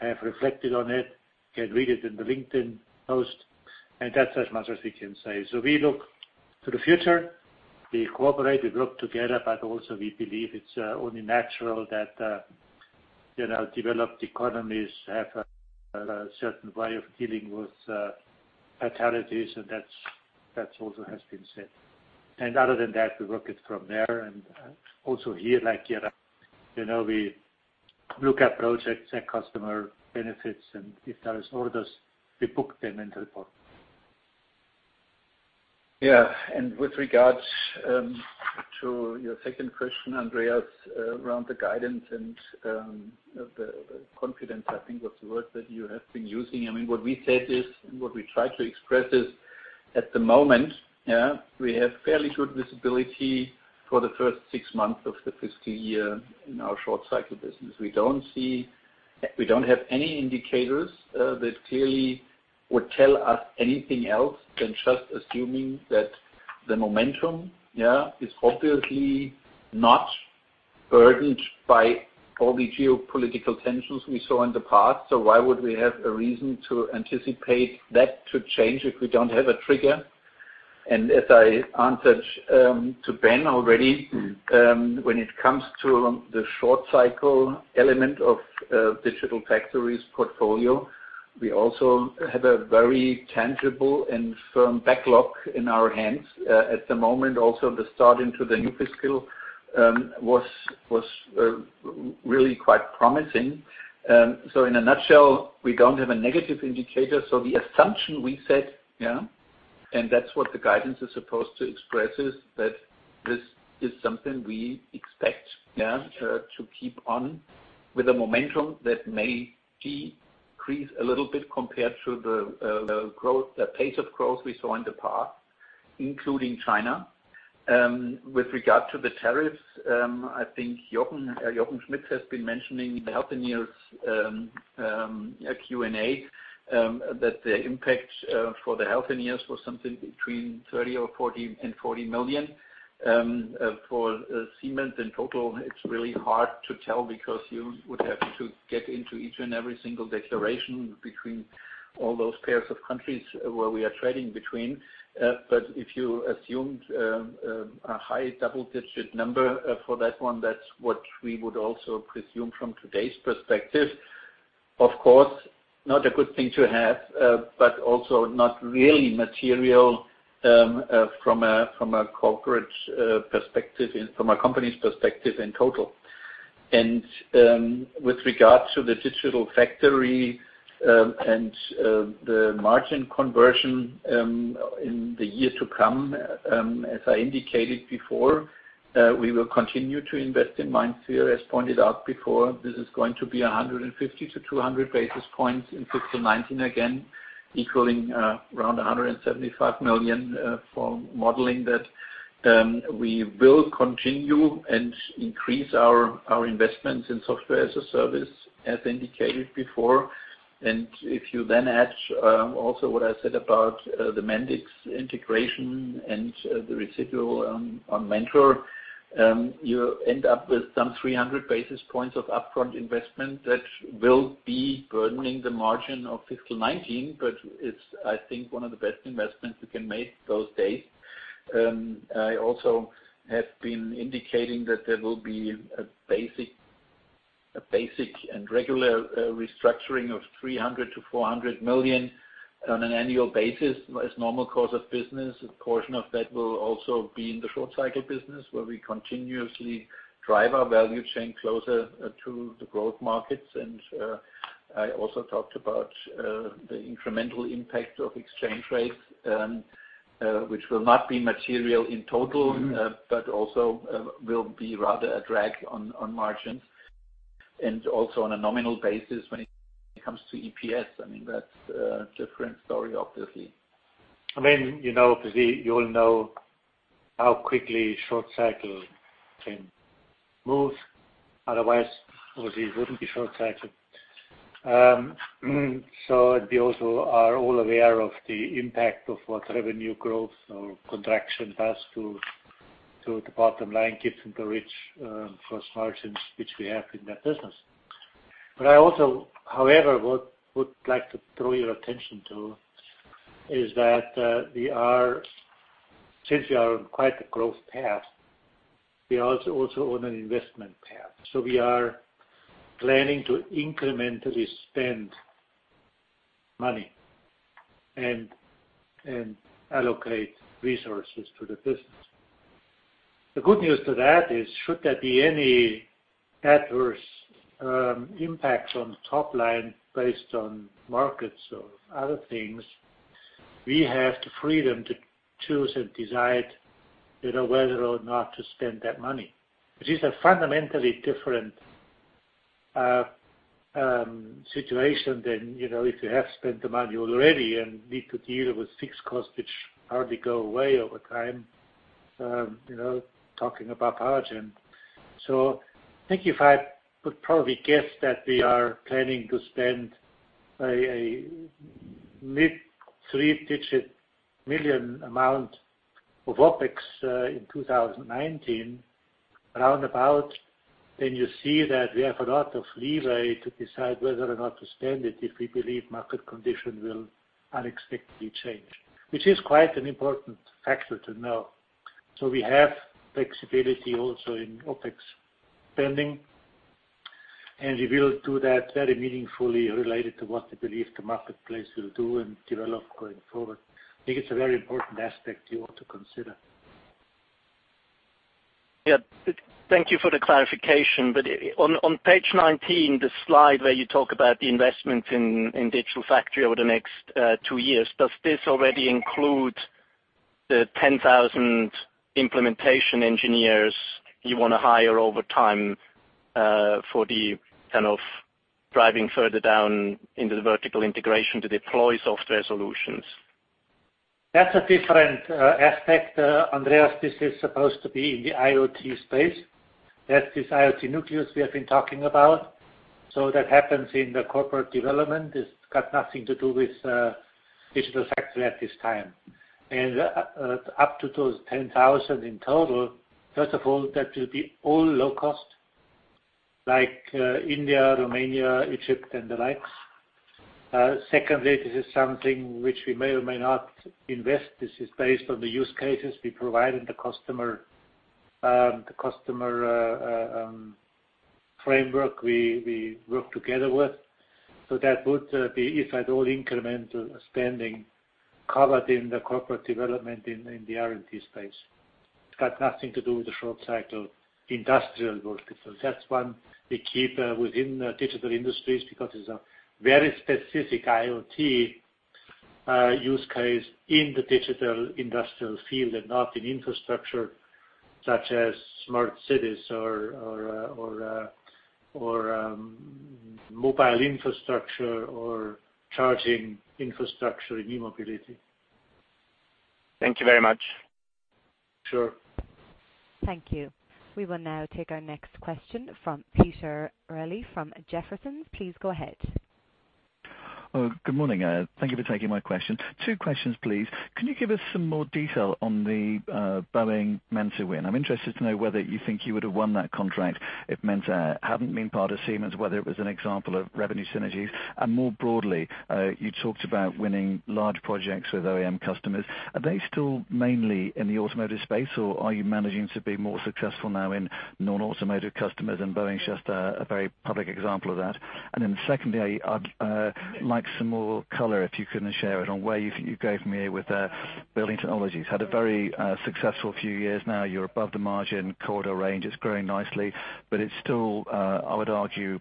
have reflected on it. You can read it in the LinkedIn post, and that's as much as we can say. We look to the future. We cooperate, we work together, but also, we believe it's only natural that developed economies have a certain way of dealing with fatalities, and that also has been said. Other than that, we work it from there. Also here, like Iraq, we look at projects and customer benefits, and if there is orders, we book them and report. Yeah. With regards to your second question, Andreas Willi, around the guidance and the confidence, I think, was the word that you have been using. What we said is, what we try to express is, at the moment, we have fairly good visibility for the first six months of the fiscal year in our short cycle business. We don't have any indicators that clearly would tell us anything else than just assuming that the momentum is obviously not burdened by all the geopolitical tensions we saw in the past. Why would we have a reason to anticipate that to change if we don't have a trigger? As I answered to Ben already, when it comes to the short cycle element of Digital Factory's portfolio, we also have a very tangible and firm backlog in our hands at the moment. Also, the start into the new fiscal was really quite promising. In a nutshell, we don't have a negative indicator. The assumption we set, and that's what the guidance is supposed to express, is that this is something we expect to keep on with a momentum that may decrease a little bit compared to the pace of growth we saw in the past, including China. With regard to the tariffs, I think Jochen Schmitz has been mentioning the Healthineers Q&A, that the impact for the Healthineers was something between 30 million and 40 million. For Siemens in total, it's really hard to tell because you would have to get into each and every single declaration between all those pairs of countries where we are trading between. If you assumed a high double-digit number for that one, that's what we would also presume from today's perspective. Of course, not a good thing to have, but also not really material from a corporate perspective and from a company's perspective in total. With regards to the Digital Factory and the margin conversion in the year to come, as I indicated before, we will continue to invest in MindSphere. As pointed out before, this is going to be 150 basis points-200 basis points in fiscal 2019 again, equaling around 175 million for modeling that. We will continue and increase our investments in software-as-a-service, as indicated before. If you then add also what I said about the Mendix integration and the residual on Mentor, you end up with some 300 basis points of upfront investment that will be burdening the margin of fiscal 2019. It's, I think, one of the best investments we can make those days. I also have been indicating that there will be a basic and regular restructuring of 300 million-400 million on an annual basis as normal course of business. A portion of that will also be in the short cycle business, where we continuously drive our value chain closer to the growth markets. I also talked about the incremental impact of exchange rates, which will not be material in total, but also will be rather a drag on margins, and also on a nominal basis when it comes to EPS. I mean, that's a different story, obviously. I mean, obviously you all know how quickly short cycle can move. Otherwise, obviously it wouldn't be short cycled. We also are all aware of the impact of what revenue growth or contraction does to the bottom line, given the rich gross margins which we have in that business. I also, however, would like to throw your attention to is that since we are on quite a growth path, we are also on an investment path. We are planning to incrementally spend money and allocate resources to the business. The good news to that is should there be any adverse impacts on the top line based on markets or other things, we have the freedom to choose and decide whether or not to spend that money. Which is a fundamentally different situation than if you have spent the money already and need to deal with fixed costs which hardly go away over time, talking about POWERGEN. I think if I would probably guess that we are planning to spend a mid three-digit million amount of OpEx in 2019, roundabout, then you see that we have a lot of leeway to decide whether or not to spend it if we believe market condition will unexpectedly change, which is quite an important factor to know. We have flexibility also in OpEx spending, and we will do that very meaningfully related to what we believe the marketplace will do and develop going forward. I think it's a very important aspect you ought to consider. Thank you for the clarification. On page 19, the slide where you talk about the investment in Digital Factory over the next two years, does this already include the 10,000 implementation engineers you want to hire over time for the kind of driving further down into the vertical integration to deploy software solutions? That's a different aspect, Andreas. This is supposed to be in the IoT space. That is IoT nucleus we have been talking about. That happens in the corporate development. It's got nothing to do with Digital Factory at this time. Up to those 10,000 in total, first of all, that will be all low cost, like India, Romania, Egypt and the likes. Secondly, this is something which we may or may not invest. This is based on the use cases we provide and the customer framework we work together with. That would be, if at all, incremental spending covered in the corporate development in the R&D space. It's got nothing to do with the short cycle industrial business. That's one we keep within Digital Industries because it's a very specific IoT use case in the digital industrial field and not in infrastructure such as smart cities or mobile infrastructure or charging infrastructure in e-mobility. Thank you very much. Sure. Thank you. We will now take our next question from Peter Reilly from Jefferies. Please go ahead. Good morning. Thank you for taking my question. Two questions, please. Can you give us some more detail on the Boeing Mentor win? I'm interested to know whether you think you would have won that contract if Mentor hadn't been part of Siemens, whether it was an example of revenue synergies. More broadly, you talked about winning large projects with OEM customers. Are they still mainly in the automotive space, or are you managing to be more successful now in non-automotive customers and Boeing is just a very public example of that? Secondly, I'd like some more color, if you can share it, on where you think you go from here with Building Technologies. It's had a very successful few years now. You're above the margin corridor range. It's growing nicely, but it's still, I would argue,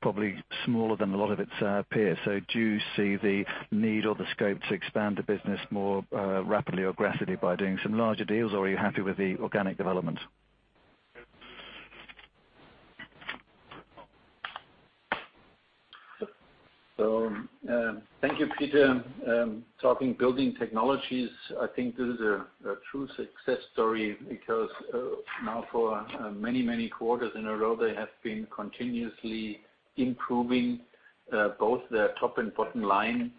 probably smaller than a lot of its peers. Do you see the need or the scope to expand the business more rapidly or aggressively by doing some larger deals, or are you happy with the organic development? Thank you, Peter. Talking Building Technologies, I think this is a true success story because now for many quarters in a row, they have been continuously improving both their top and bottom line.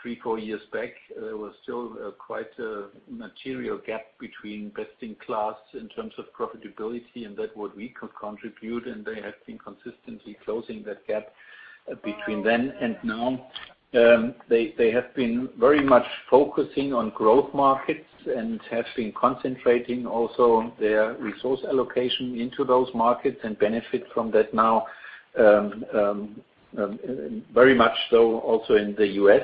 Three, four years back, there was still quite a material gap between best in class in terms of profitability and that what we could contribute, and they have been consistently closing that gap between then and now. They have been very much focusing on growth markets and have been concentrating also on their resource allocation into those markets and benefit from that now very much so also in the U.S.,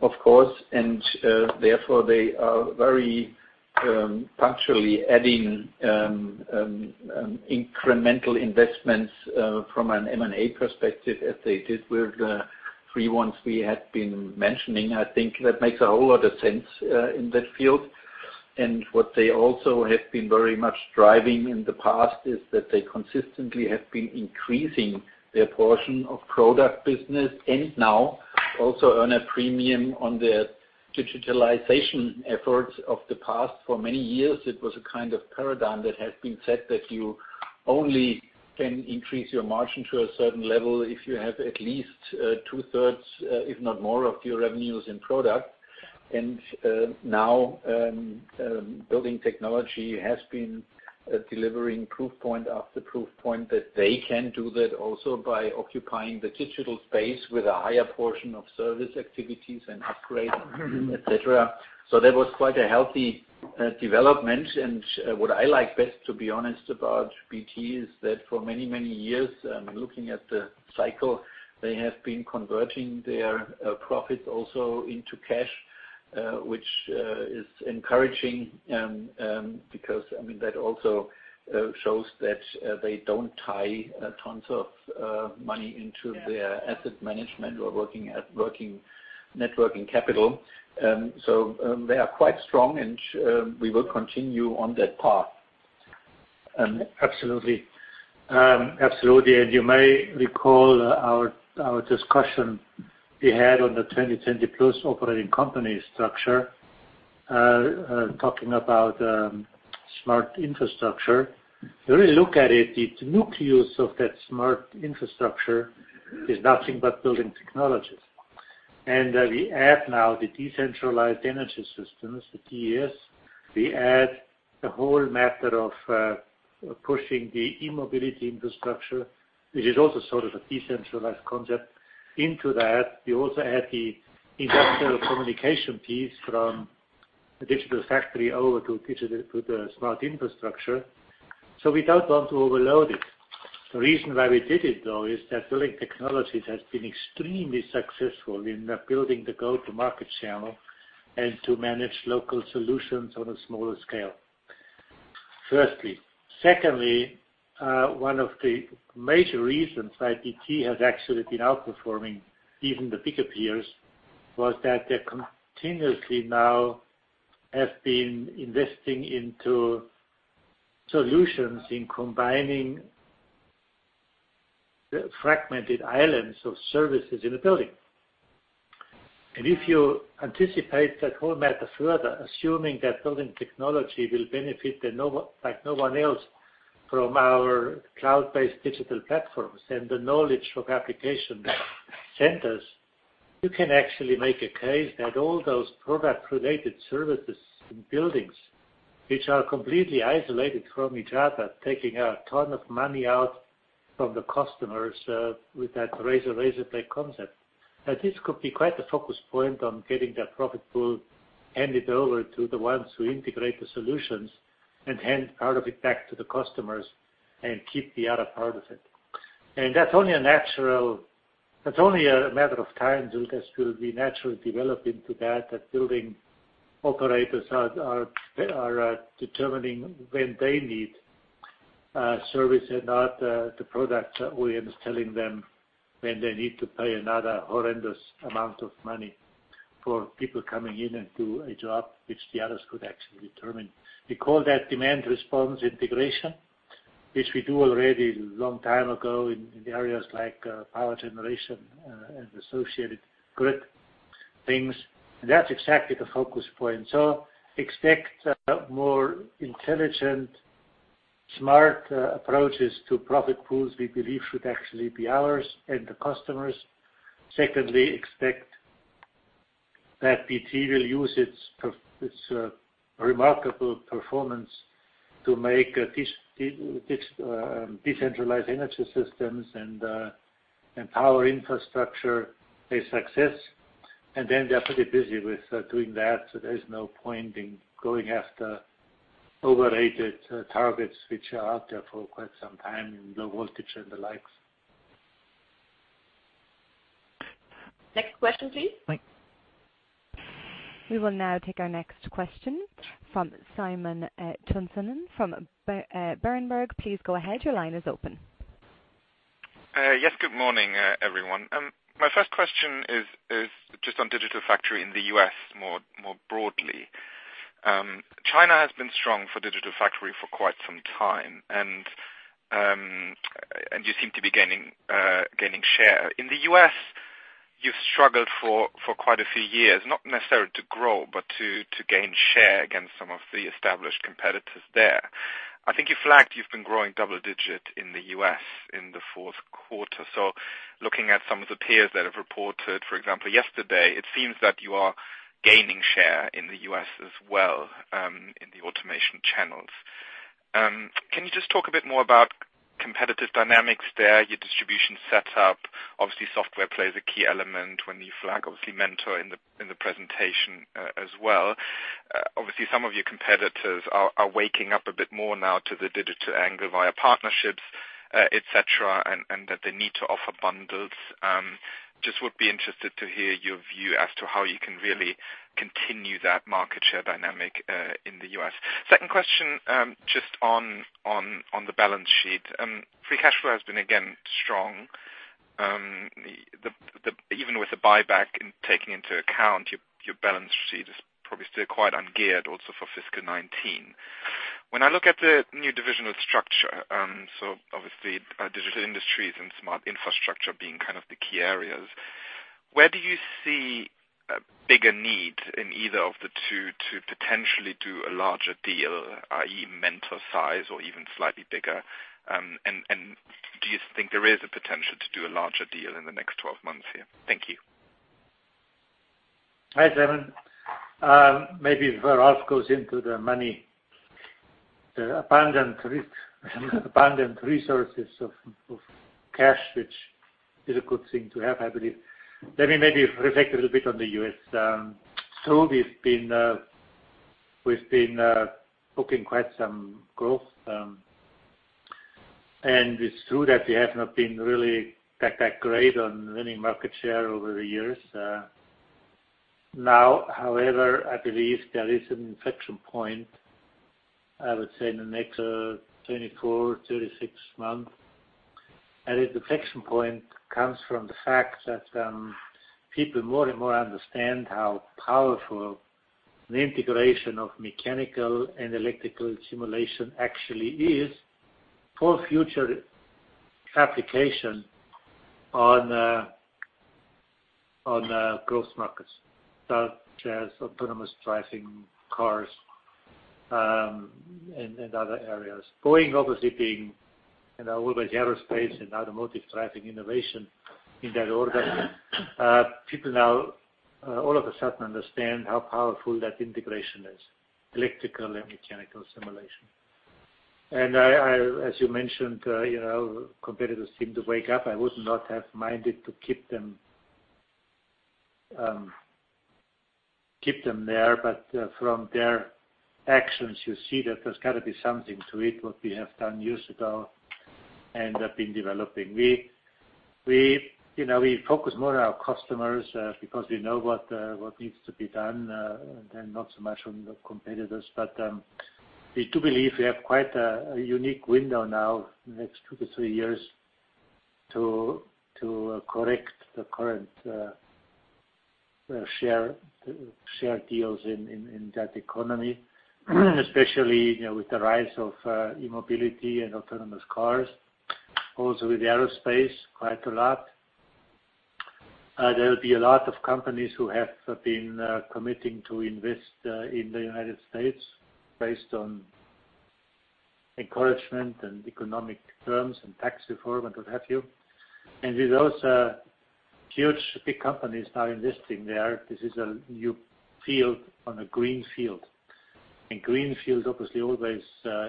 of course. Therefore, they are very punctually adding incremental investments from an M&A perspective as they did with the three ones we had been mentioning. I think that makes a whole lot of sense in that field. What they also have been very much driving in the past is that they consistently have been increasing their portion of product business and now also earn a premium on their digitalization efforts of the past. For many years, it was a kind of paradigm that has been said that you only can increase your margin to a certain level if you have at least 2/3, if not more of your revenues in product. Now Building Technologies has been delivering proof point after proof point that they can do that also by occupying the digital space with a higher portion of service activities and upgrade, et cetera. That was quite a healthy development. What I like best, to be honest, about BT is that for many, many years, looking at the cycle, they have been converting their profits also into cash, which is encouraging because that also shows that they don't tie tons of money into their asset management or working networking capital. They are quite strong, and we will continue on that path. Absolutely. You may recall our discussion we had on the Vision 2020+ operating company structure, talking about Smart Infrastructure. If you really look at it, the nucleus of that Smart Infrastructure is nothing but Building Technologies. We add now the decentralized energy systems, the DES. We add the whole matter of pushing the e-mobility infrastructure, which is also sort of a decentralized concept into that. We also add the industrial communication piece from the Digital Factory over to the Smart Infrastructure. We don't want to overload it. The reason why we did it, though, is that Building Technologies has been extremely successful in building the go-to-market channel and to manage local solutions on a smaller scale, firstly. Secondly, one of the major reasons why BT has actually been outperforming even the bigger peers was that they continuously now have been investing into solutions in combining the fragmented islands of services in a building. If you anticipate that whole matter further, assuming that building technology will benefit like no one else from our cloud-based digital platforms and the knowledge of application centers, you can actually make a case that all those product-related services in buildings, which are completely isolated from each other, taking a ton of money out from the customers with that razor play concept. That this could be quite a focus point on getting that profit pool handed over to the ones who integrate the solutions and hand part of it back to the customers and keep the other part of it. That's only a matter of time until this will be naturally develop into that building operators are determining when they need a service and not the product. Williams telling them when they need to pay another horrendous amount of money for people coming in and do a job which the others could actually determine. We call that demand response integration, which we do already long time ago in the areas like power generation, and associated grid things. That's exactly the focus point. Expect more intelligent, smart approaches to profit pools we believe should actually be ours and the customers. Secondly, expect that BT will use its remarkable performance to make decentralized energy systems and power infrastructure a success. They're pretty busy with doing that. There is no point in going after overrated targets, which are out there for quite some time in low voltage and the likes. Next question, please. We will now take our next question from Simon Toennessen from Berenberg. Please go ahead. Your line is open. Yes. Good morning, everyone. My first question is just on Digital Factory in the U.S. more broadly. China has been strong for Digital Factory for quite some time. You seem to be gaining share. In the U.S. you've struggled for quite a few years, not necessarily to grow, but to gain share against some of the established competitors there. I think you flagged you've been growing double digit in the U.S. in the fourth quarter. Looking at some of the peers that have reported, for example, yesterday, it seems that you are gaining share in the U.S. as well, in the automation channels. Can you just talk a bit more about competitive dynamics there? Your distribution setup, obviously software plays a key element when you flag, obviously Mentor in the presentation as well. Obviously, some of your competitors are waking up a bit more now to the digital angle via partnerships, et cetera, and that they need to offer bundles. Just would be interested to hear your view as to how you can really continue that market share dynamic in the U.S. Second question, just on the balance sheet. Free cash flow has been again, strong. Even with the buyback and taking into account your balance sheet is probably still quite ungeared also for fiscal 2019. When I look at the new divisional structure, obviously, Digital Industries and Smart Infrastructure being kind of the key areas. Where do you see a bigger need in either of the two to potentially do a larger deal, i.e. Mentor size or even slightly bigger? Do you think there is a potential to do a larger deal in the next 12 months here? Thank you. Hi, Simon. Maybe if Ralf goes into the money, the abundant resources of cash, which is a good thing to have, I believe. Let me maybe reflect a little bit on the U.S. We've been booking quite some growth. It's true that we have not been really that great on winning market share over the years. Now, however, I believe there is an inflection point, I would say in the next 24 months, 36 months. The inflection point comes from the fact that people more and more understand how powerful the integration of mechanical and electrical simulation actually is for future application on growth markets, such as autonomous driving cars, and other areas. Boeing obviously being, always aerospace and automotive driving innovation in that order. People now all of a sudden understand how powerful that integration is, electrical and mechanical simulation. As you mentioned, competitors seem to wake up. I would not have minded to keep them there, but from their actions, you see that there's got to be something to it, what we have done years ago and have been developing. We focus more on our customers because we know what needs to be done, and then not so much on the competitors. We do believe we have quite a unique window now in the next two to three years to correct the current share deals in that economy, especially, with the rise of e-mobility and autonomous cars. Also with the aerospace quite a lot. There will be a lot of companies who have been committing to invest in the United States based on encouragement and economic terms and tax reform and what have you. With those huge big companies now investing there, this is a new field on a green field. Green field, obviously, always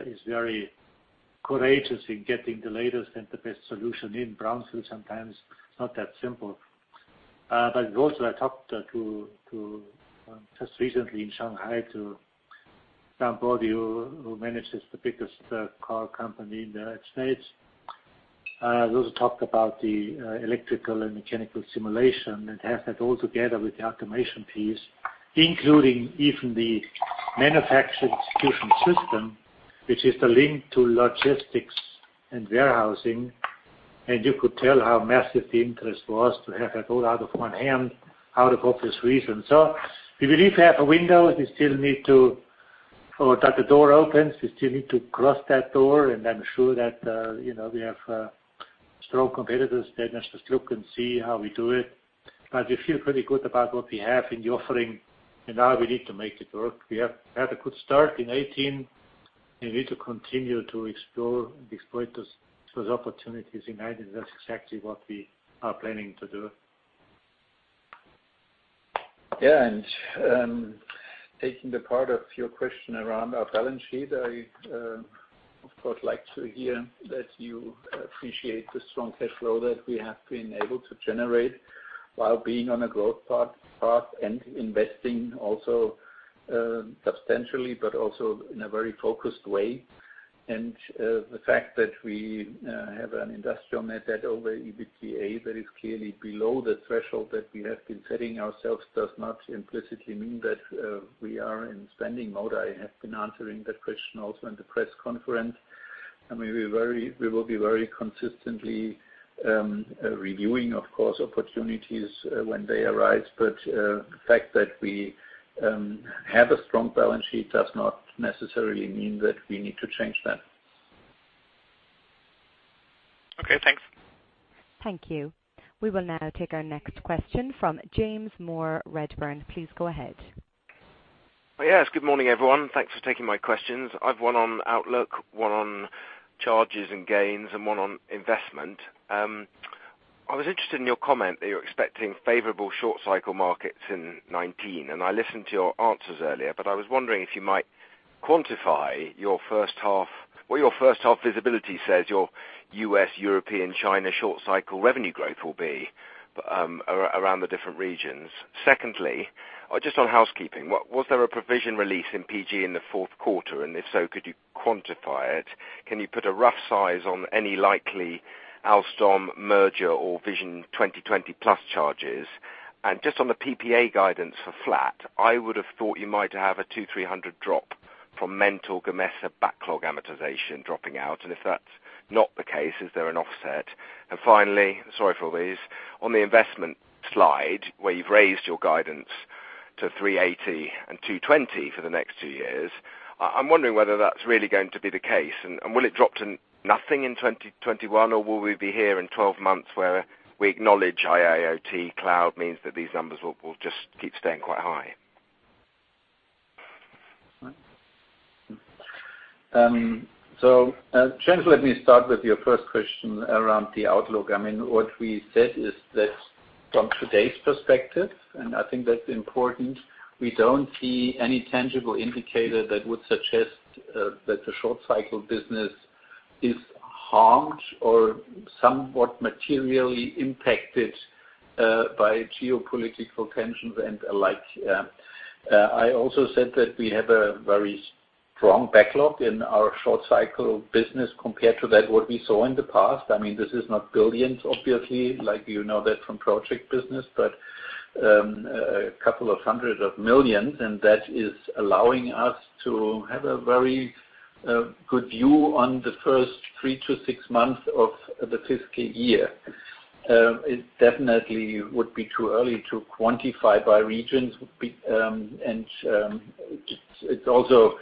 is very courageous in getting the latest and the best solution in. Brown field, sometimes it's not that simple. Also I talked just recently in Shanghai to Dan Bodie, who manages the biggest car company in the United States. We also talked about the electrical and mechanical simulation and have that all together with the automation piece, including even the manufacturing execution system, which is the link to logistics and warehousing. You could tell how massive the interest was to have that all out of one hand, out of obvious reasons. We believe we have a window. Or that the door opens. We still need to cross that door, and I'm sure that we have strong competitors there that just look and see how we do it. We feel pretty good about what we have in the offering, and now we need to make it work. We have had a good start in 2018, and we need to continue to explore and exploit those opportunities in 2019. That's exactly what we are planning to do. Yeah. Taking the part of your question around our balance sheet, I, of course, like to hear that you appreciate the strong cash flow that we have been able to generate while being on a growth path and investing also substantially, but also in a very focused way. The fact that we have an Industrial net debt to EBITDA that is clearly below the threshold that we have been setting ourselves does not implicitly mean that we are in spending mode. I have been answering that question also in the press conference. We will be very consistently reviewing, of course, opportunities when they arise. The fact that we have a strong balance sheet does not necessarily mean that we need to change that. Okay, thanks. Thank you. We will now take our next question from James Moore, Redburn. Please go ahead. Yes. Good morning, everyone. Thanks for taking my questions. I've one on outlook, one on charges and gains, and one on investment. I was interested in your comment that you're expecting favorable short-cycle markets in 2019, I listened to your answers earlier, I was wondering if you might quantify your first half, what your first half visibility says your U.S., European, China short cycle revenue growth will be around the different regions. Secondly, just on housekeeping, was there a provision release in PG in the fourth quarter, if so, could you quantify it? Can you put a rough size on any likely Alstom merger or Vision 2020+ charges? Just on the PPA guidance for flat, I would have thought you might have a 200, 300 drop from Siemens Gamesa backlog amortization dropping out. If that's not the case, is there an offset? Finally, sorry for all these, on the investment slide where you've raised your guidance to 380 and 220 for the next two years, I'm wondering whether that's really going to be the case, and will it drop to nothing in 2021, or will we be here in 12 months where we acknowledge IIoT cloud means that these numbers will just keep staying quite high? James, let me start with your first question around the outlook. What we said is that from today's perspective, and I think that's important, we don't see any tangible indicator that would suggest that the short-cycle business is harmed or somewhat materially impacted by geopolitical tensions and the like. I also said that we have a very strong backlog in our short-cycle business compared to that what we saw in the past. This is not billions, obviously, like you know that from project business, but a couple of hundreds of millions, and that is allowing us to have a very good view on the first three to six months of the fiscal year. It definitely would be too early to quantify by regions, and it also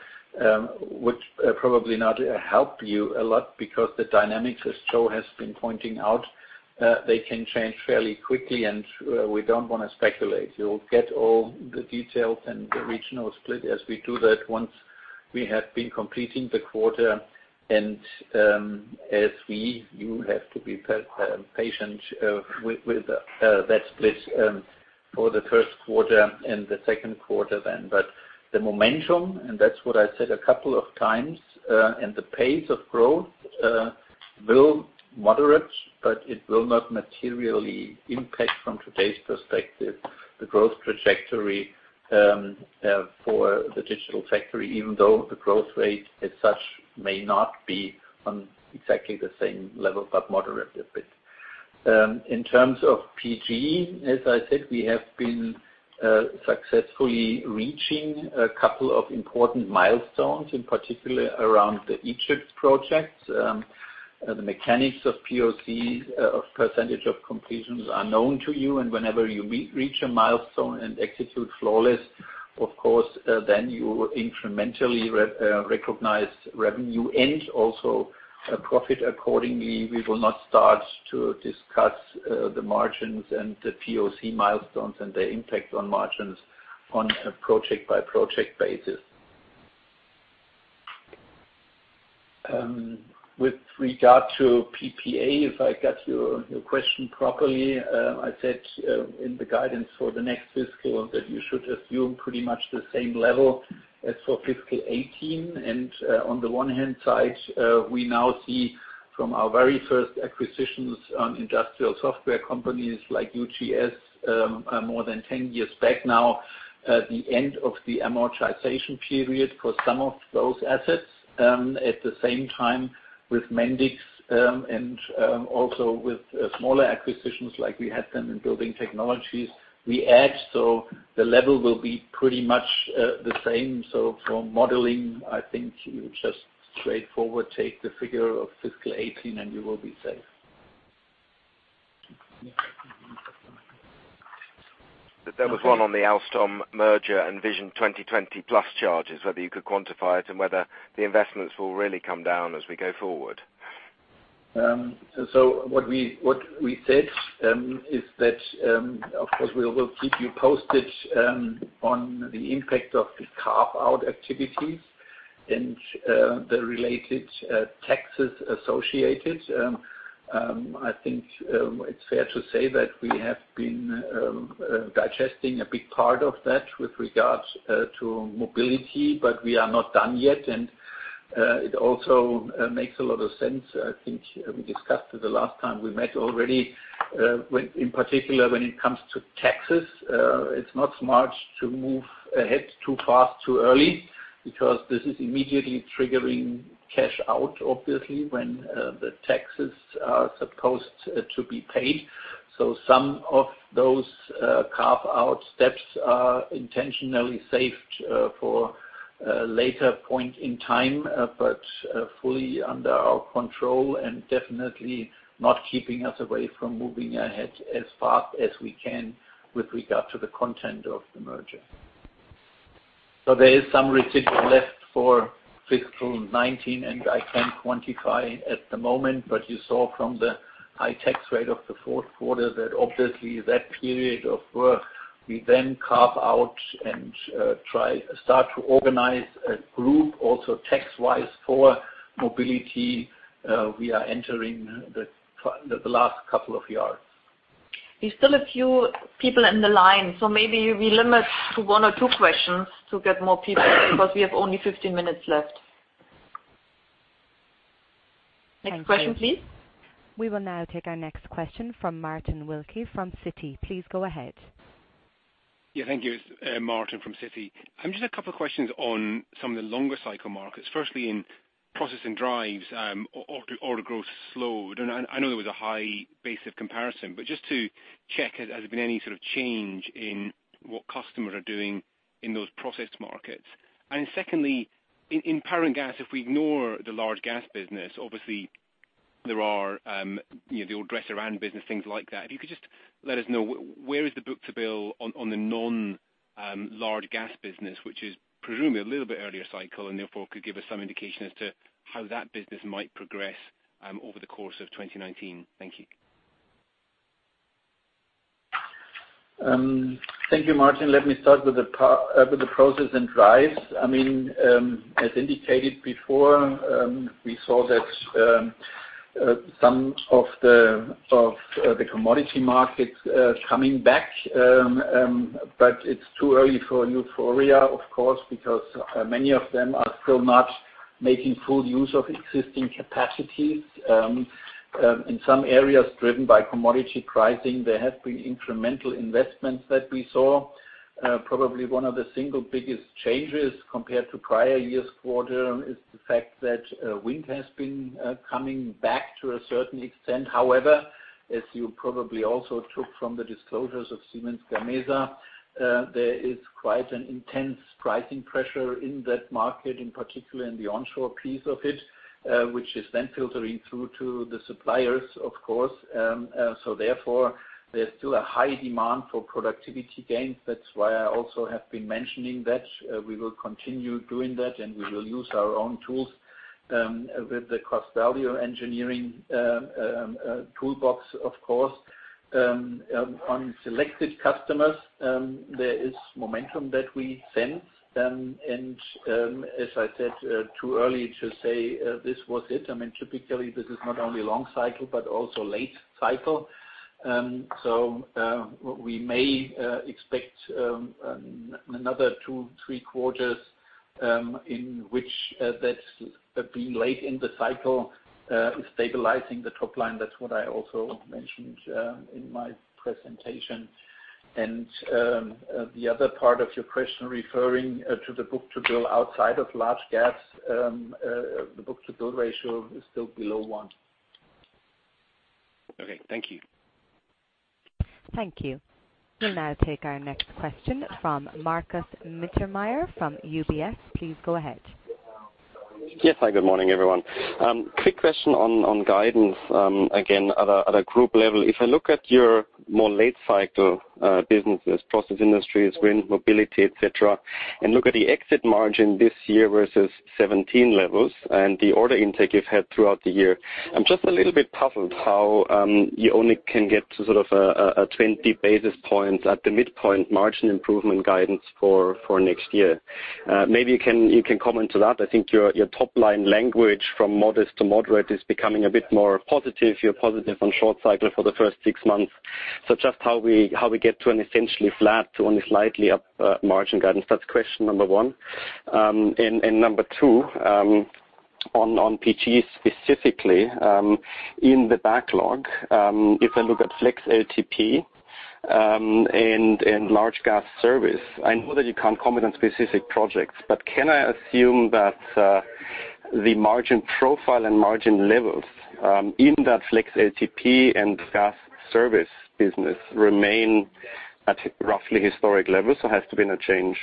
would probably not help you a lot because the dynamics, as Joe has been pointing out, they can change fairly quickly, and we don't want to speculate. You'll get all the details and the regional split as we do that once we have been completing the quarter. As we, you have to be patient with that split for the first quarter and the second quarter then. The momentum, and that's what I said a couple of times, and the pace of growth will moderate, but it will not materially impact from today's perspective the growth trajectory for the Digital Factory, even though the growth rate as such may not be on exactly the same level, but moderate a bit. In terms of PG, as I said, we have been successfully reaching a couple of important milestones, in particular around the Egypt projects. The mechanics of POC, of percentage of completions, are known to you, and whenever you reach a milestone and execute flawless. Of course, then you incrementally recognize revenue and also profit accordingly. We will not start to discuss the margins and the POC milestones and their impact on margins on a project-by-project basis. With regard to PPA, if I got your question properly, I said in the guidance for the next fiscal that you should assume pretty much the same level as for fiscal 2018. On the one-hand side, we now see from our very first acquisitions on industrial software companies like UGS, more than 10 years back now, the end of the amortization period for some of those assets. At the same time, with Mendix, and also with smaller acquisitions like we had them in Building Technologies, we add. The level will be pretty much the same. For modeling, I think you just straightforward take the figure of fiscal 2018, and you will be safe. There was one on the Alstom merger and Vision 2020+ charges, whether you could quantify it and whether the investments will really come down as we go forward. What we said is that, of course, we will keep you posted on the impact of the carve-out activities and the related taxes associated. I think it's fair to say that we have been digesting a big part of that with regards to Mobility, but we are not done yet. It also makes a lot of sense. I think we discussed the last time we met already, in particular when it comes to taxes, it's not smart to move ahead too fast, too early because this is immediately triggering cash out, obviously, when the taxes are supposed to be paid. Some of those carve-out steps are intentionally saved for a later point in time, but fully under our control and definitely not keeping us away from moving ahead as fast as we can with regard to the content of the merger. There is some residual left for fiscal 2019, and I can't quantify at the moment. You saw from the high tax rate of the fourth quarter that obviously that period of work we then carve out and start to organize a group also tax-wise for Mobility. We are entering the last couple of yards. There's still a few people in the line. Maybe we limit to one or two questions to get more people in because we have only 15 minutes left. Next question, please. We will now take our next question from Martin Wilkie from Citi. Please go ahead. Yeah. Thank you. Martin from Citi. Just a couple of questions on some of the longer cycle markets. Firstly, in Process and Drives, order growth slowed. I know there was a high base of comparison, just to check, has there been any sort of change in what customers are doing in those process markets? Secondly, in Power and Gas, if we ignore the large gas business, obviously there are the old Dresser-Rand business, things like that. If you could just let us know, where is the book-to-bill on the non-large gas business, which is presumably a little bit earlier cycle and therefore could give us some indication as to how that business might progress over the course of 2019. Thank you. Thank you, Martin. Let me start with the Process and Drives. As indicated before, we saw that some of the commodity markets coming back. It's too early for euphoria, of course, because many of them are still not making full use of existing capacities. In some areas driven by commodity pricing, there have been incremental investments that we saw. Probably one of the single biggest changes compared to prior year's quarter is the fact that wind has been coming back to a certain extent. However, as you probably also took from the disclosures of Siemens Gamesa, there is quite an intense pricing pressure in that market, in particular in the onshore piece of it, which is then filtering through to the suppliers, of course. Therefore, there's still a high demand for productivity gains. That's why I also have been mentioning that we will continue doing that, we will use our own tools with the cost-value engineering toolbox, of course. On selected customers, there is momentum that we sense. As I said, too early to say this was it. Typically, this is not only long cycle but also late cycle. We may expect another two, three quarters in which that being late in the cycle is stabilizing the top line. That's what I also mentioned in my presentation. The other part of your question referring to the book-to-bill outside of large gas, the book-to-bill ratio is still below one. Okay. Thank you. Thank you. We will now take our next question from Markus Mittermaier from UBS. Please go ahead. Yes. Hi, good morning, everyone. Quick question on guidance again, at a group level. If I look at your more late cycle businesses, Process Industries, wind, Mobility, et cetera, and look at the exit margin this year versus 2017 levels and the order intake you've had throughout the year, I am just a little bit puzzled how you only can get to sort of a 20 basis points at the midpoint margin improvement guidance for next year. Maybe you can comment on that. I think your top-line language from modest to moderate is becoming a bit more positive. You're positive on short cycle for the first six months. Just how we get to an essentially flat to only slightly up margin guidance. That's question number one. Number two, on PG specifically, in the backlog, if I look at FlexLTP, and Large Gas Service. I know that you can't comment on specific projects, but can I assume that the margin profile and margin levels, in that FlexLTP and Gas Service business remain at roughly historic levels? Has there been a change?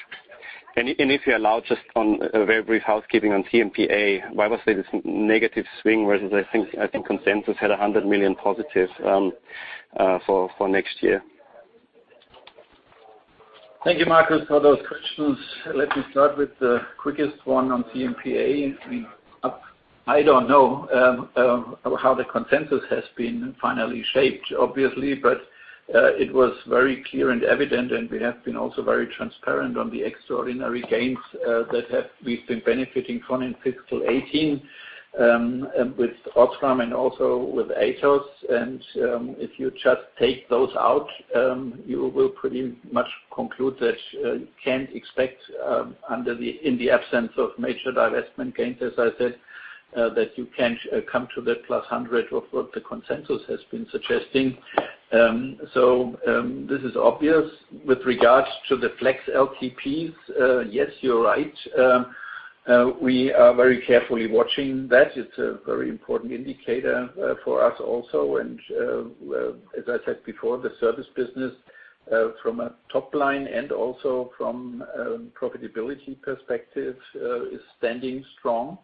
If you allow just on a very brief housekeeping on CMPA, why was there this negative swing, whereas I think consensus had 100 million+ for next year? Thank you, Markus, for those questions. Let me start with the quickest one on CMPA. I don't know how the consensus has been finally shaped, obviously, but it was very clear and evident, and we have been also very transparent on the extraordinary gains that we've been benefiting from in fiscal 2018, with Osram and also with Atos. If you just take those out, you will pretty much conclude that you can't expect in the absence of major divestment gains, as I said, that you can't come to the +100 of what the consensus has been suggesting. This is obvious. With regards to the FlexLTP, yes, you're right. We are very carefully watching that. It's a very important indicator for us also. As I said before, the service business, from a top line and also from a profitability perspective, is standing strong.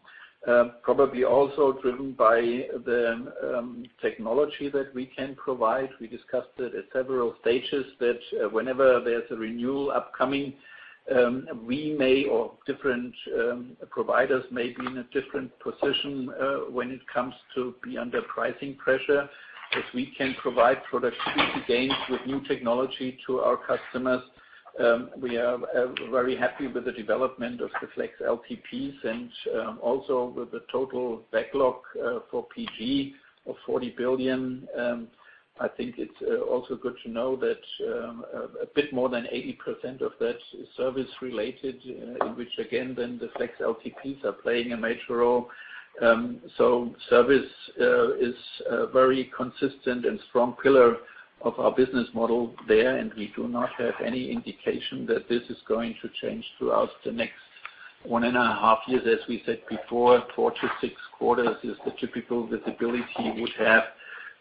Probably also driven by the technology that we can provide. We discussed it at several stages that whenever there's a renewal upcoming, we may or different providers may be in a different position when it comes to be under pricing pressure. If we can provide productivity gains with new technology to our customers. We are very happy with the development of the FlexLTP and also with the total backlog for PG of 40 billion. I think it's also good to know that a bit more than 80% of that is service related, in which again, then the FlexLTP are playing a major role. Service is a very consistent and strong pillar of our business model there, and we do not have any indication that this is going to change throughout the next 1.5 years. As we said before, four to six quarters is the typical visibility we would have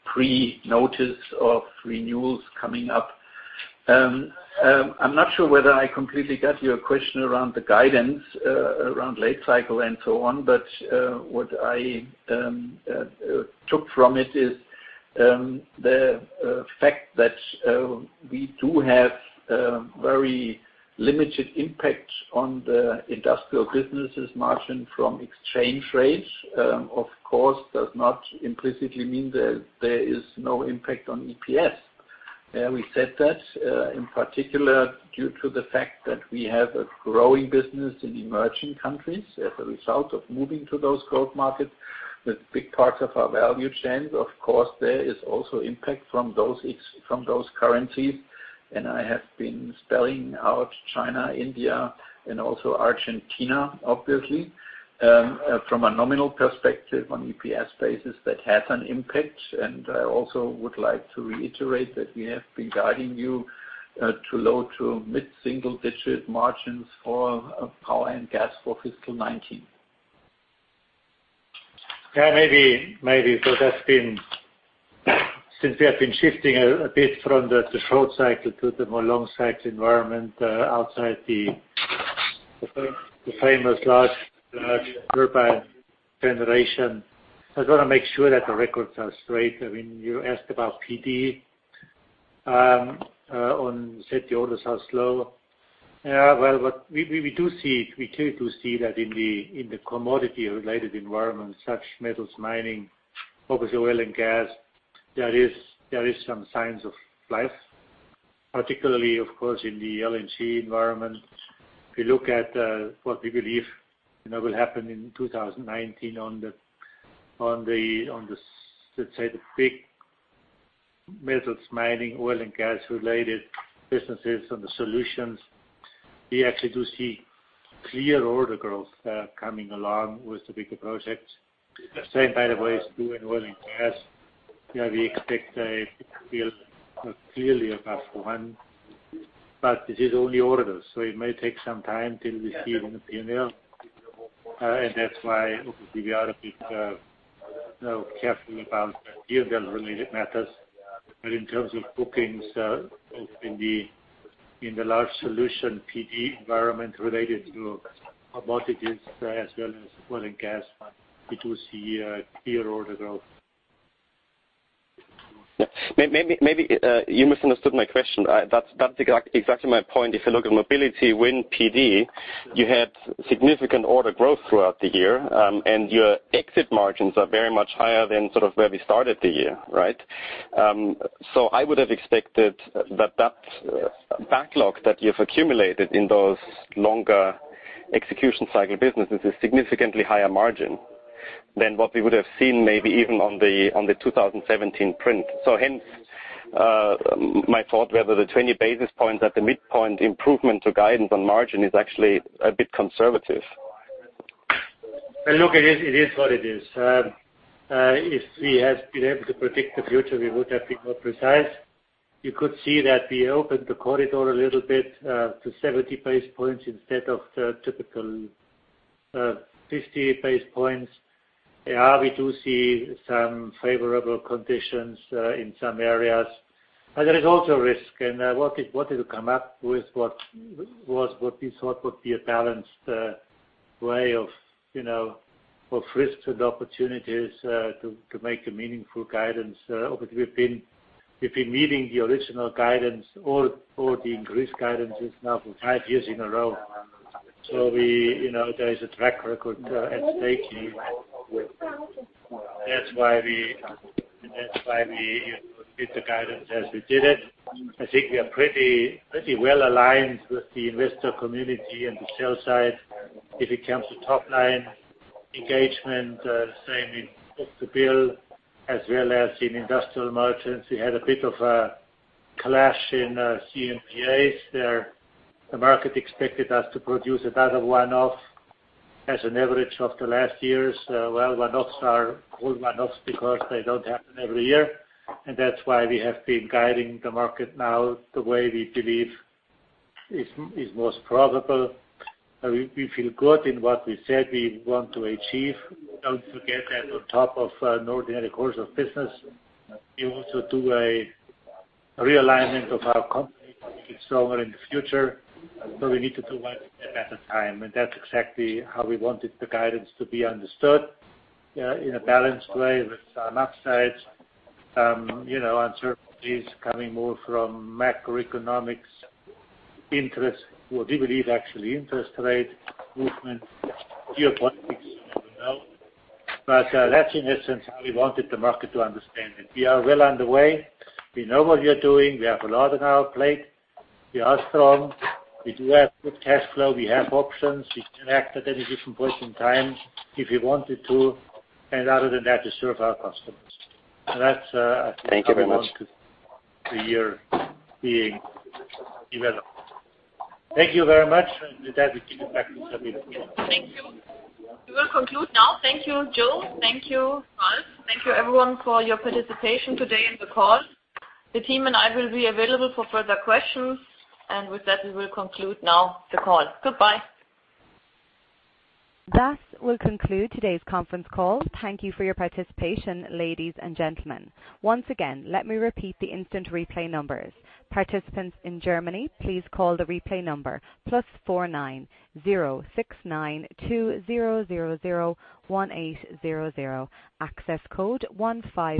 pre-notice of renewals coming up. I'm not sure whether I completely got your question around the guidance around late cycle and so on, but what I took from it is the fact that we do have very limited impact on the industrial businesses margin from exchange rates. Of course, does not implicitly mean that there is no impact on EPS. We said that in particular due to the fact that we have a growing business in emerging countries as a result of moving to those growth markets with big parts of our value chains. Of course, there is also impact from those currencies. I have been spelling out China, India, and also Argentina, obviously. From a nominal perspective on EPS basis, that has an impact. I also would like to reiterate that we have been guiding you to low to mid single-digit margins for Power and Gas for fiscal 2019. Maybe. That's been, since we have been shifting a bit from the short cycle to the more long cycle environment outside the famous large turbine generation. I just want to make sure that the records are straight. You asked about PD. Said the orders are slow. We do see that in the commodity-related environment, such metals mining, obviously oil and gas. There is some signs of life, particularly, of course, in the LNG environment. If you look at what we believe will happen in 2019 on the, let's say, the big metals mining, oil and gas related businesses on the solutions. We actually do see clear order growth coming along with the bigger projects. The same, by the way, is true in oil and gas. We expect a field clearly above one, but this is only orders, so it may take some time till we see it on the P&L. That's why, obviously, we are a bit so carefully about deal-related matters. In terms of bookings in the large solution PD environment related to Mobility as well as oil and gas, we do see a clear order growth. Maybe you misunderstood my question. That's exactly my point. If you look at Mobility, when PD, you had significant order growth throughout the year, and your exit margins are very much higher than sort of where we started the year. Right? I would have expected that that backlog that you've accumulated in those longer execution cycle businesses is significantly higher margin than what we would have seen maybe even on the 2017 print. Hence, my thought whether the 20 basis points at the midpoint improvement to guidance on margin is actually a bit conservative. Look, it is what it is. If we had been able to predict the future, we would have been more precise. You could see that we opened the corridor a little bit, to 70 basis points instead of the typical 50 basis points. We do see some favorable conditions in some areas. There is also risk and what we will come up with what we thought would be a balanced way of risks and opportunities to make a meaningful guidance. Obviously, we've been meeting the original guidance or the increased guidances now for five years in a row. There is a track record at stake here. That's why we did the guidance as we did it. I think we are pretty well aligned with the investor community and the sell side. If it comes to top-line engagement, same in book-to-bill, as well as in industrial margins. We had a bit of a clash in CMPA. The market expected us to produce another one-off as an average of the last years. Well, one-offs are called one-offs because they don't happen every year. That's why we have been guiding the market now the way we believe is most probable. We feel good in what we said we want to achieve. Don't forget that on top of an ordinary course of business, we also do a realignment of our company to make it stronger in the future. We need to do one step at a time, and that's exactly how we wanted the guidance to be understood, in a balanced way with some upsides, uncertainties coming more from macroeconomics interest. Well, we believe actually interest rate movements, geopolitics, you never know. That in essence, how we wanted the market to understand it. We are well underway. We know what we are doing. We have a lot on our plate. We are strong. We do have good cash flow. We have options. We can act at any different point in time if we wanted to, and other than that, to serve our customers. Thank you very much how we want the year being developed. Thank you very much. With that, we give it back to Sabine. Thank you. We will conclude now. Thank you, Joe. Thank you, Ralf. Thank you, everyone, for your participation today in the call. The team and I will be available for further questions. With that, we will conclude now the call. Goodbye. That will conclude today's conference call. Thank you for your participation, ladies and gentlemen. Once again, let me repeat the instant replay numbers. Participants in Germany, please call the replay number +496920001800. Access code 15.